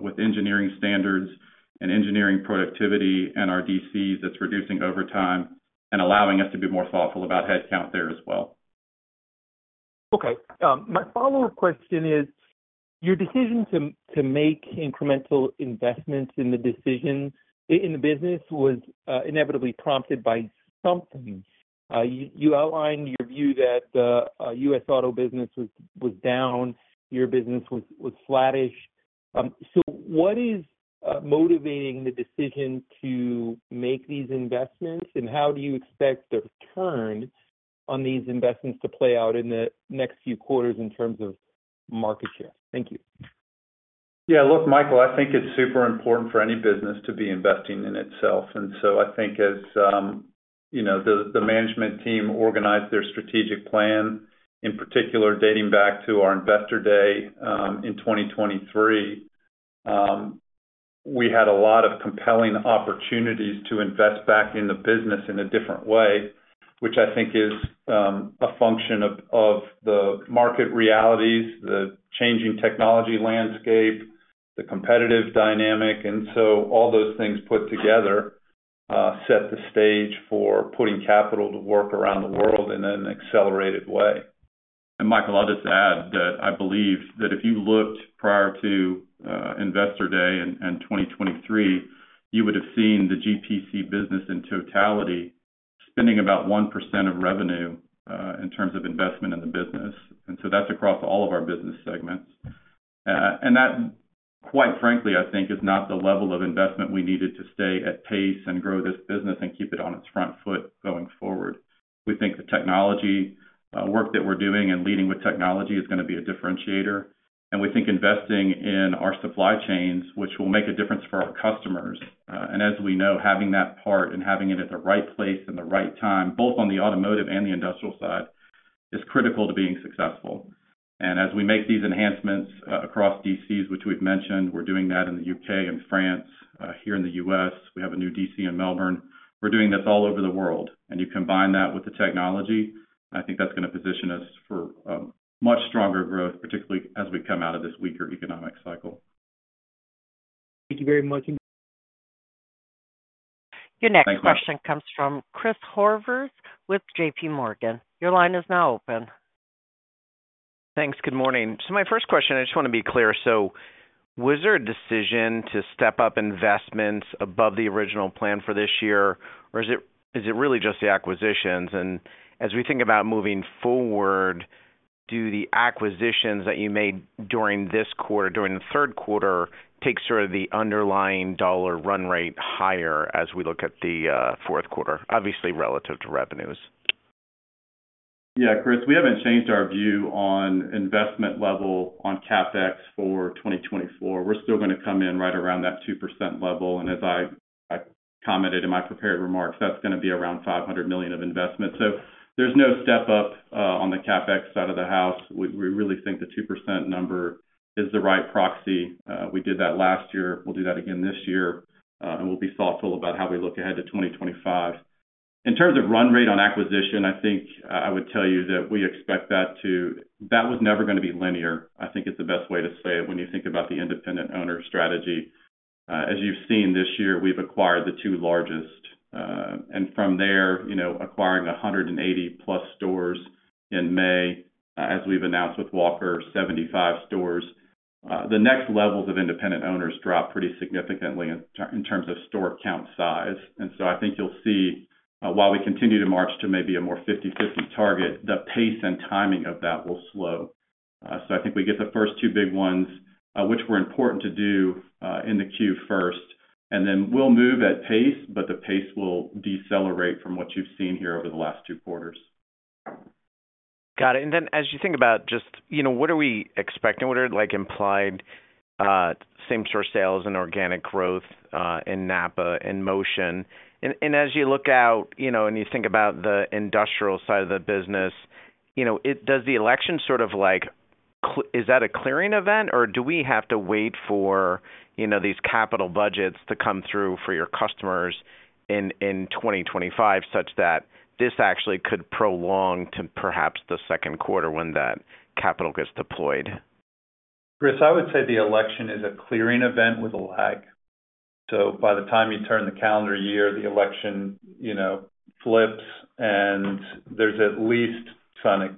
with engineering standards and engineering productivity and our DCs. That's reducing overtime and allowing us to be more thoughtful about headcount there as well. Okay. My follow-up question is, your decision to make incremental investments in the business was inevitably prompted by something. You outlined your view that U.S. Auto business was down, your business was flattish. So what is motivating the decision to make these investments, and how do you expect the return on these investments to play out in the next few quarters in terms of market share? Thank you. Yeah, look, Michael, I think it's super important for any business to be investing in itself, and so I think as, you know, the management team organized their strategic plan, in particular, dating back to our Investor Day in 2023, we had a lot of compelling opportunities to invest back in the business in a different way, which I think is a function of the market realities, the changing technology landscape, the competitive dynamic. And so all those things put together set the stage for putting capital to work around the world in an accelerated way. And Michael, I'll just add that I believe that if you looked prior to Investor Day in 2023, you would have seen the GPC business in totality, spending about 1% of revenue in terms of investment in the business, and so that's across all of our business segments. And that, quite frankly, I think, is not the level of investment we needed to stay at pace and grow this business and keep it on its front foot going forward. We think the technology work that we're doing and leading with technology is gonna be a differentiator, and we think investing in our supply chains, which will make a difference for our customers, and as we know, having that part and having it at the right place and the right time, both on the automotive and the industrial side, is critical to being successful, and as we make these enhancements across DCs, which we've mentioned, we're doing that in the U.K. and France, here in the U.S., we have a new DC in Melbourne. We're doing this all over the world, and you combine that with the technology, I think that's gonna position us for much stronger growth, particularly as we come out of this weaker economic cycle. Thank you very much. Thank you. Your next question comes from Chris Horvers with JPMorgan. Your line is now open. Thanks. Good morning. So my first question, I just wanna be clear, so was there a decision to step up investments above the original plan for this year, or is it, is it really just the acquisitions? And as we think about moving forward, do the acquisitions that you made during this quarter, during the Q3, take sort of the underlying dollar run rate higher as we look at the Q4, obviously, relative to revenues? Yeah, Chris, we haven't changed our view on investment level on CapEx for 2024. We're still gonna come in right around that 2% level, and as I commented in my prepared remarks, that's gonna be around $500 million of investment. So there's no step up on the CapEx side of the house. We really think the 2% number is the right proxy. We did that last year, we'll do that again this year, and we'll be thoughtful about how we look ahead to 2025. In terms of run rate on acquisition, I think I would tell you that we expect that to... That was never gonna be linear. I think it's the best way to say it when you think about the independent owner strategy. As you've seen this year, we've acquired the two largest, and from there, you know, acquiring 180+ stores in May, as we've announced with Walker, 75 stores. The next levels of independent owners drop pretty significantly in terms of store count size. And so I think you'll see, while we continue to march to maybe a more 50/50 target, the pace and timing of that will slow. So I think we get the first two big ones, which were important to do, in the queue first, and then we'll move at pace, but the pace will decelerate from what you've seen here over the last two quarters. Got it. And then, as you think about just, you know, what are we expecting? What are, like, implied same store sales and organic growth in NAPA, in Motion? And as you look out, you know, and you think about the industrial side of the business, you know. Does the election sort of like a clearing event, or do we have to wait for, you know, these capital budgets to come through for your customers in 2025, such that this actually could prolong to perhaps the Q2 when that capital gets deployed? Chris, I would say the election is a clearing event with a lag. So by the time you turn the calendar year, the election, you know, flips, and there's at least some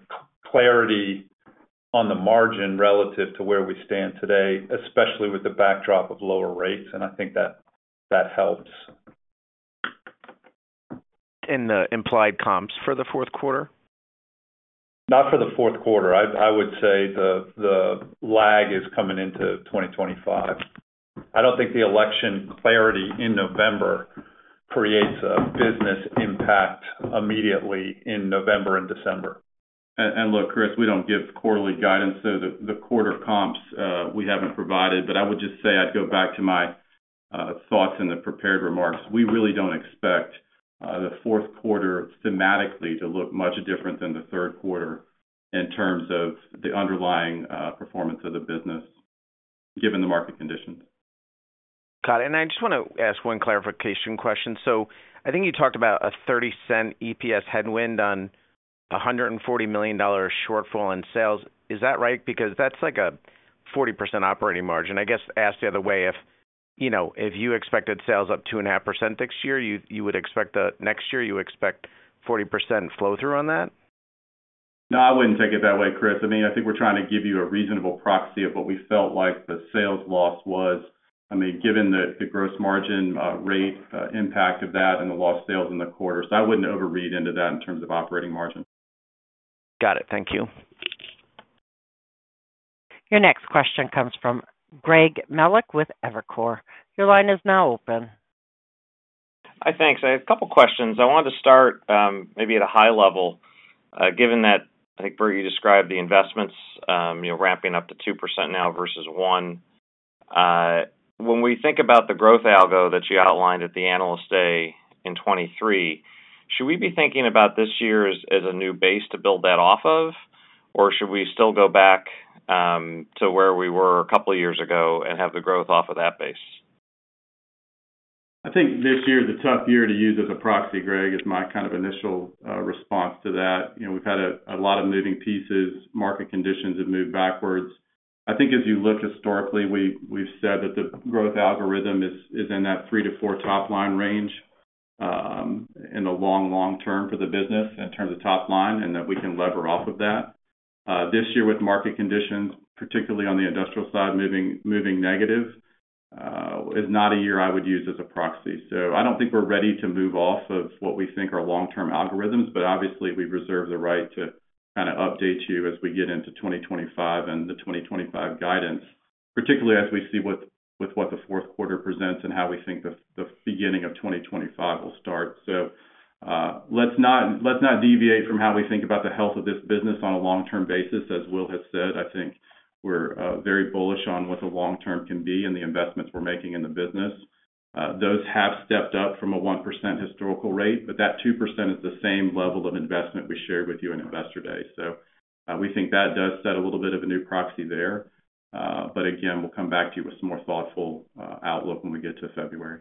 clarity on the margin relative to where we stand today, especially with the backdrop of lower rates, and I think that, that helps. In the implied comps for the Q4? Not for the Q4. I would say the lag is coming into 2025. I don't think the election clarity in November creates a business impact immediately in November and December. Look, Chris, we don't give quarterly guidance, so the quarter comps we haven't provided, but I would just say I'd go back to my thoughts in the prepared remarks. We really don't expect the Q4 thematically to look much different than the Q3 in terms of the underlying performance of the business, given the market conditions. Got it, and I just want to ask one clarification question. So I think you talked about a $0.30 EPS headwind on a $140 million shortfall in sales. Is that right? Because that's like a 40% operating margin. I guess, asked the other way, if, you know, if you expected sales up 2.5% next year, you would expect next year, you expect 40% flow-through on that? No, I wouldn't take it that way, Chris. I mean, I think we're trying to give you a reasonable proxy of what we felt like the sales loss was. I mean, given the gross margin rate impact of that and the lost sales in the quarter. So I wouldn't overread into that in terms of operating margin. Got it. Thank you. Your next question comes from Greg Melich with Evercore. Your line is now open. Hi, thanks. I have a couple of questions. I wanted to start, maybe at a high level, given that, I think, Bert, you described the investments, you're ramping up to 2% now versus 1%. When we think about the growth algo that you outlined at the Analyst Day in 2023, should we be thinking about this year as a new base to build that off of? Or should we still go back, to where we were a couple of years ago and have the growth off of that base? I think this year is a tough year to use as a proxy, Greg, is my kind of initial response to that. You know, we've had a lot of moving pieces. Market conditions have moved backwards. I think as you look historically, we've said that the growth algorithm is in that three to four top line range, in the long term for the business in terms of top line, and that we can lever off of that. This year, with market conditions, particularly on the industrial side, moving negative, is not a year I would use as a proxy. So I don't think we're ready to move off of what we think are long-term algorithms, but obviously, we reserve the right to kind of update you as we get into 2025 and the 2025 guidance, particularly as we see what the Q4 presents and how we think the beginning of 2025 will start. Let's not deviate from how we think about the health of this business on a long-term basis as Will has said. I think we're very bullish on what the long term can be and the investments we're making in the business. Those have stepped up from a 1% historical rate, but that 2% is the same level of investment we shared with you in Investor Day. We think that does set a little bit of a new proxy there. But again, we'll come back to you with some more thoughtful outlook when we get to February.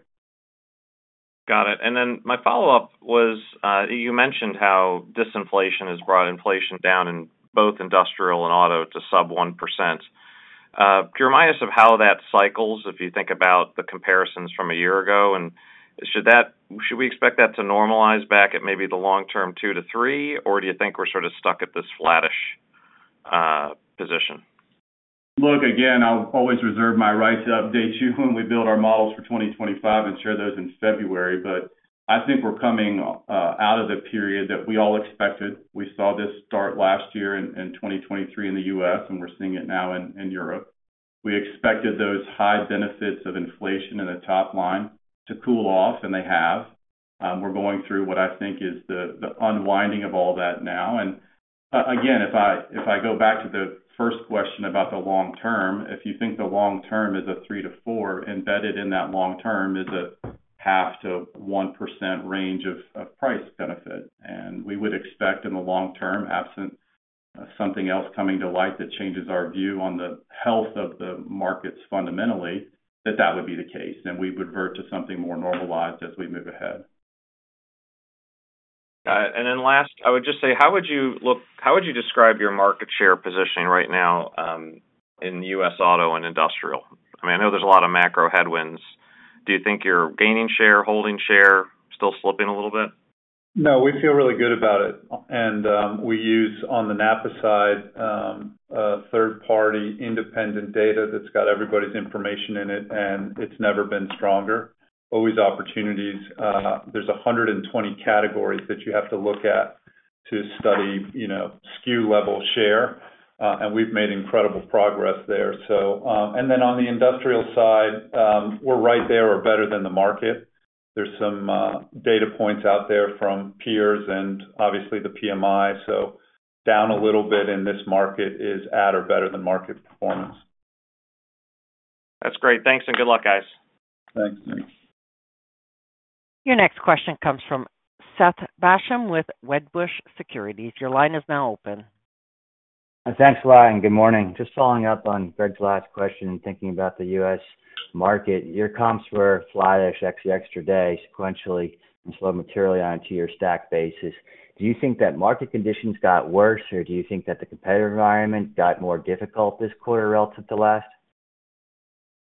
Got it. And then my follow-up was, you mentioned how disinflation has brought inflation down in both industrial and auto to sub 1%. Remind us of how that cycles, if you think about the comparisons from a year ago, and should we expect that to normalize back at maybe the long-term 2% to 3%, or do you think we're sort of stuck at this flattish position? Look, again, I'll always reserve my right to update you when we build our models for 2025 and share those in February. But I think we're coming out of the period that we all expected. We saw this start last year in 2023 in the U.S., and we're seeing it now in Europe. We expected those high benefits of inflation in the top line to cool off, and they have. We're going through what I think is the unwinding of all that now. And, again, if I go back to the first question about the long term, if you think the long term is a three to four, embedded in that long term is a 0.5% to 1% range of price benefit. We would expect in the long term, absent something else coming to light that changes our view on the health of the markets fundamentally, that that would be the case, and we would revert to something more normalized as we move ahead. Got it. And then last, I would just say, how would you describe your market share positioning right now, in U.S. Auto and industrial? I mean, I know there's a lot of macro headwinds. Do you think you're gaining share, holding share, still slipping a little bit? No, we feel really good about it, and we use, on the NAPA side, a third-party independent data that's got everybody's information in it, and it's never been stronger. Always opportunities. There's 120 categories that you have to look at to study, you know, SKU level share, and we've made incredible progress there. So, and then on the industrial side, we're right there or better than the market. There's some data points out there from peers and obviously the PMI, so down a little bit in this market is at or better than market performance. That's great. Thanks, and good luck, guys. Thanks, Greg. Your next question comes from Seth Basham with Wedbush Securities. Your line is now open. Thanks a lot, and good morning. Just following up on Greg's last question, thinking about the U.S. market, your comps were flattish, actually extra day, sequentially, and slow materially on to your stack basis. Do you think that market conditions got worse, or do you think that the competitive environment got more difficult this quarter relative to last?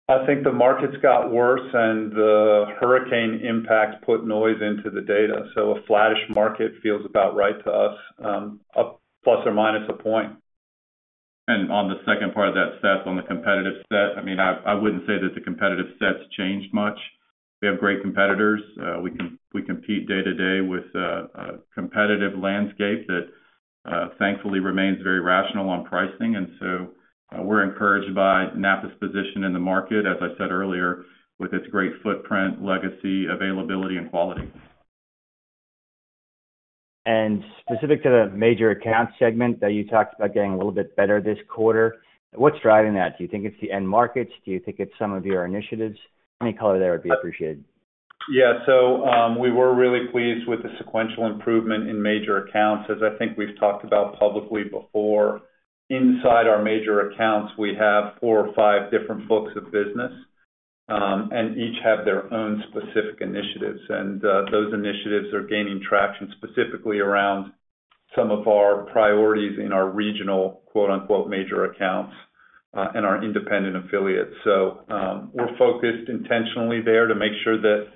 I think the markets got worse, and the hurricane impact put noise into the data, so a flattish market feels about right to us, a plus or minus a point. And on the second part of that, Seth, on the competitive set, I mean, I wouldn't say that the competitive sets changed much. We have great competitors. We compete day-to-day with a competitive landscape that-thankfully remains very rational on pricing, and so we're encouraged by NAPA's position in the market, as I said earlier, with its great footprint, legacy, availability and quality. Specific to the major account segment that you talked about getting a little bit better this quarter, what's driving that? Do you think it's the end markets? Do you think it's some of your initiatives? Any color there would be appreciated. Yeah, so, we were really pleased with the sequential improvement in major accounts. As I think we've talked about publicly before, inside our major accounts, we have four or five different books of business, and each have their own specific initiatives, and those initiatives are gaining traction, specifically around some of our priorities in our regional, quote, unquote, "major accounts," and our independent affiliates, so we're focused intentionally there to make sure that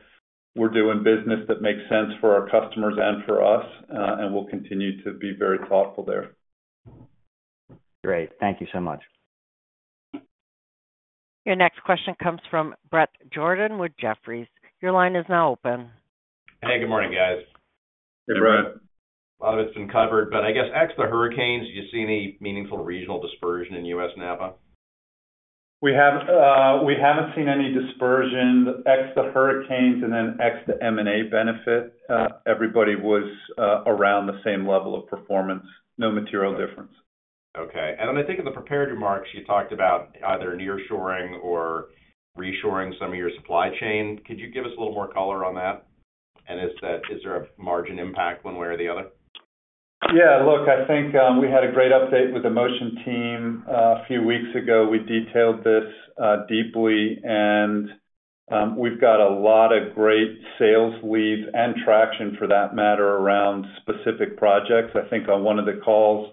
we're doing business that makes sense for our customers and for us, and we'll continue to be very thoughtful there. Great. Thank you so much. Your next question comes from Bret Jordan with Jefferies. Your line is now open. Hey, good morning, guys. Hey, Bret. A lot of it's been covered, but I guess ex the hurricanes, do you see any meaningful regional dispersion in U.S. NAPA? We have, we haven't seen any dispersion, ex the hurricanes and then ex the M&A benefit. Everybody was around the same level of performance, no material difference. Okay. And then I think in the prepared remarks, you talked about either nearshoring or reshoring some of your supply chain. Could you give us a little more color on that? And is that? Is there a margin impact one way or the other? Yeah, look, I think we had a great update with the Motion team. A few weeks ago, we detailed this deeply, and we've got a lot of great sales leads and traction, for that matter, around specific projects. I think on one of the calls,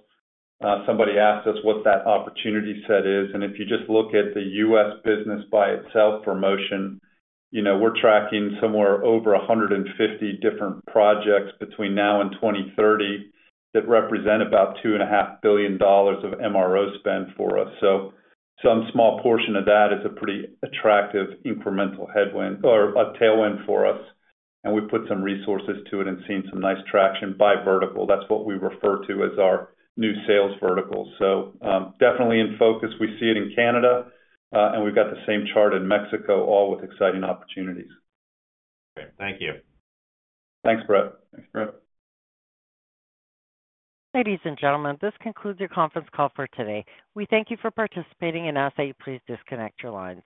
somebody asked us what that opportunity set is, and if you just look at the U.S. business by itself for Motion, you know, we're tracking somewhere over a 150 different projects between now and 2030, that represent about $2.5 billion of MRO spend for us. So some small portion of that is a pretty attractive incremental headwind or a tailwind for us, and we've put some resources to it and seen some nice traction by vertical. That's what we refer to as our new sales vertical. So, definitely in focus. We see it in Canada, and we've got the same chart in Mexico, all with exciting opportunities. Okay, thank you. Thanks, Bret. Thanks, Bret. Ladies and gentlemen, this concludes your conference call for today. We thank you for participating and ask that you please disconnect your lines.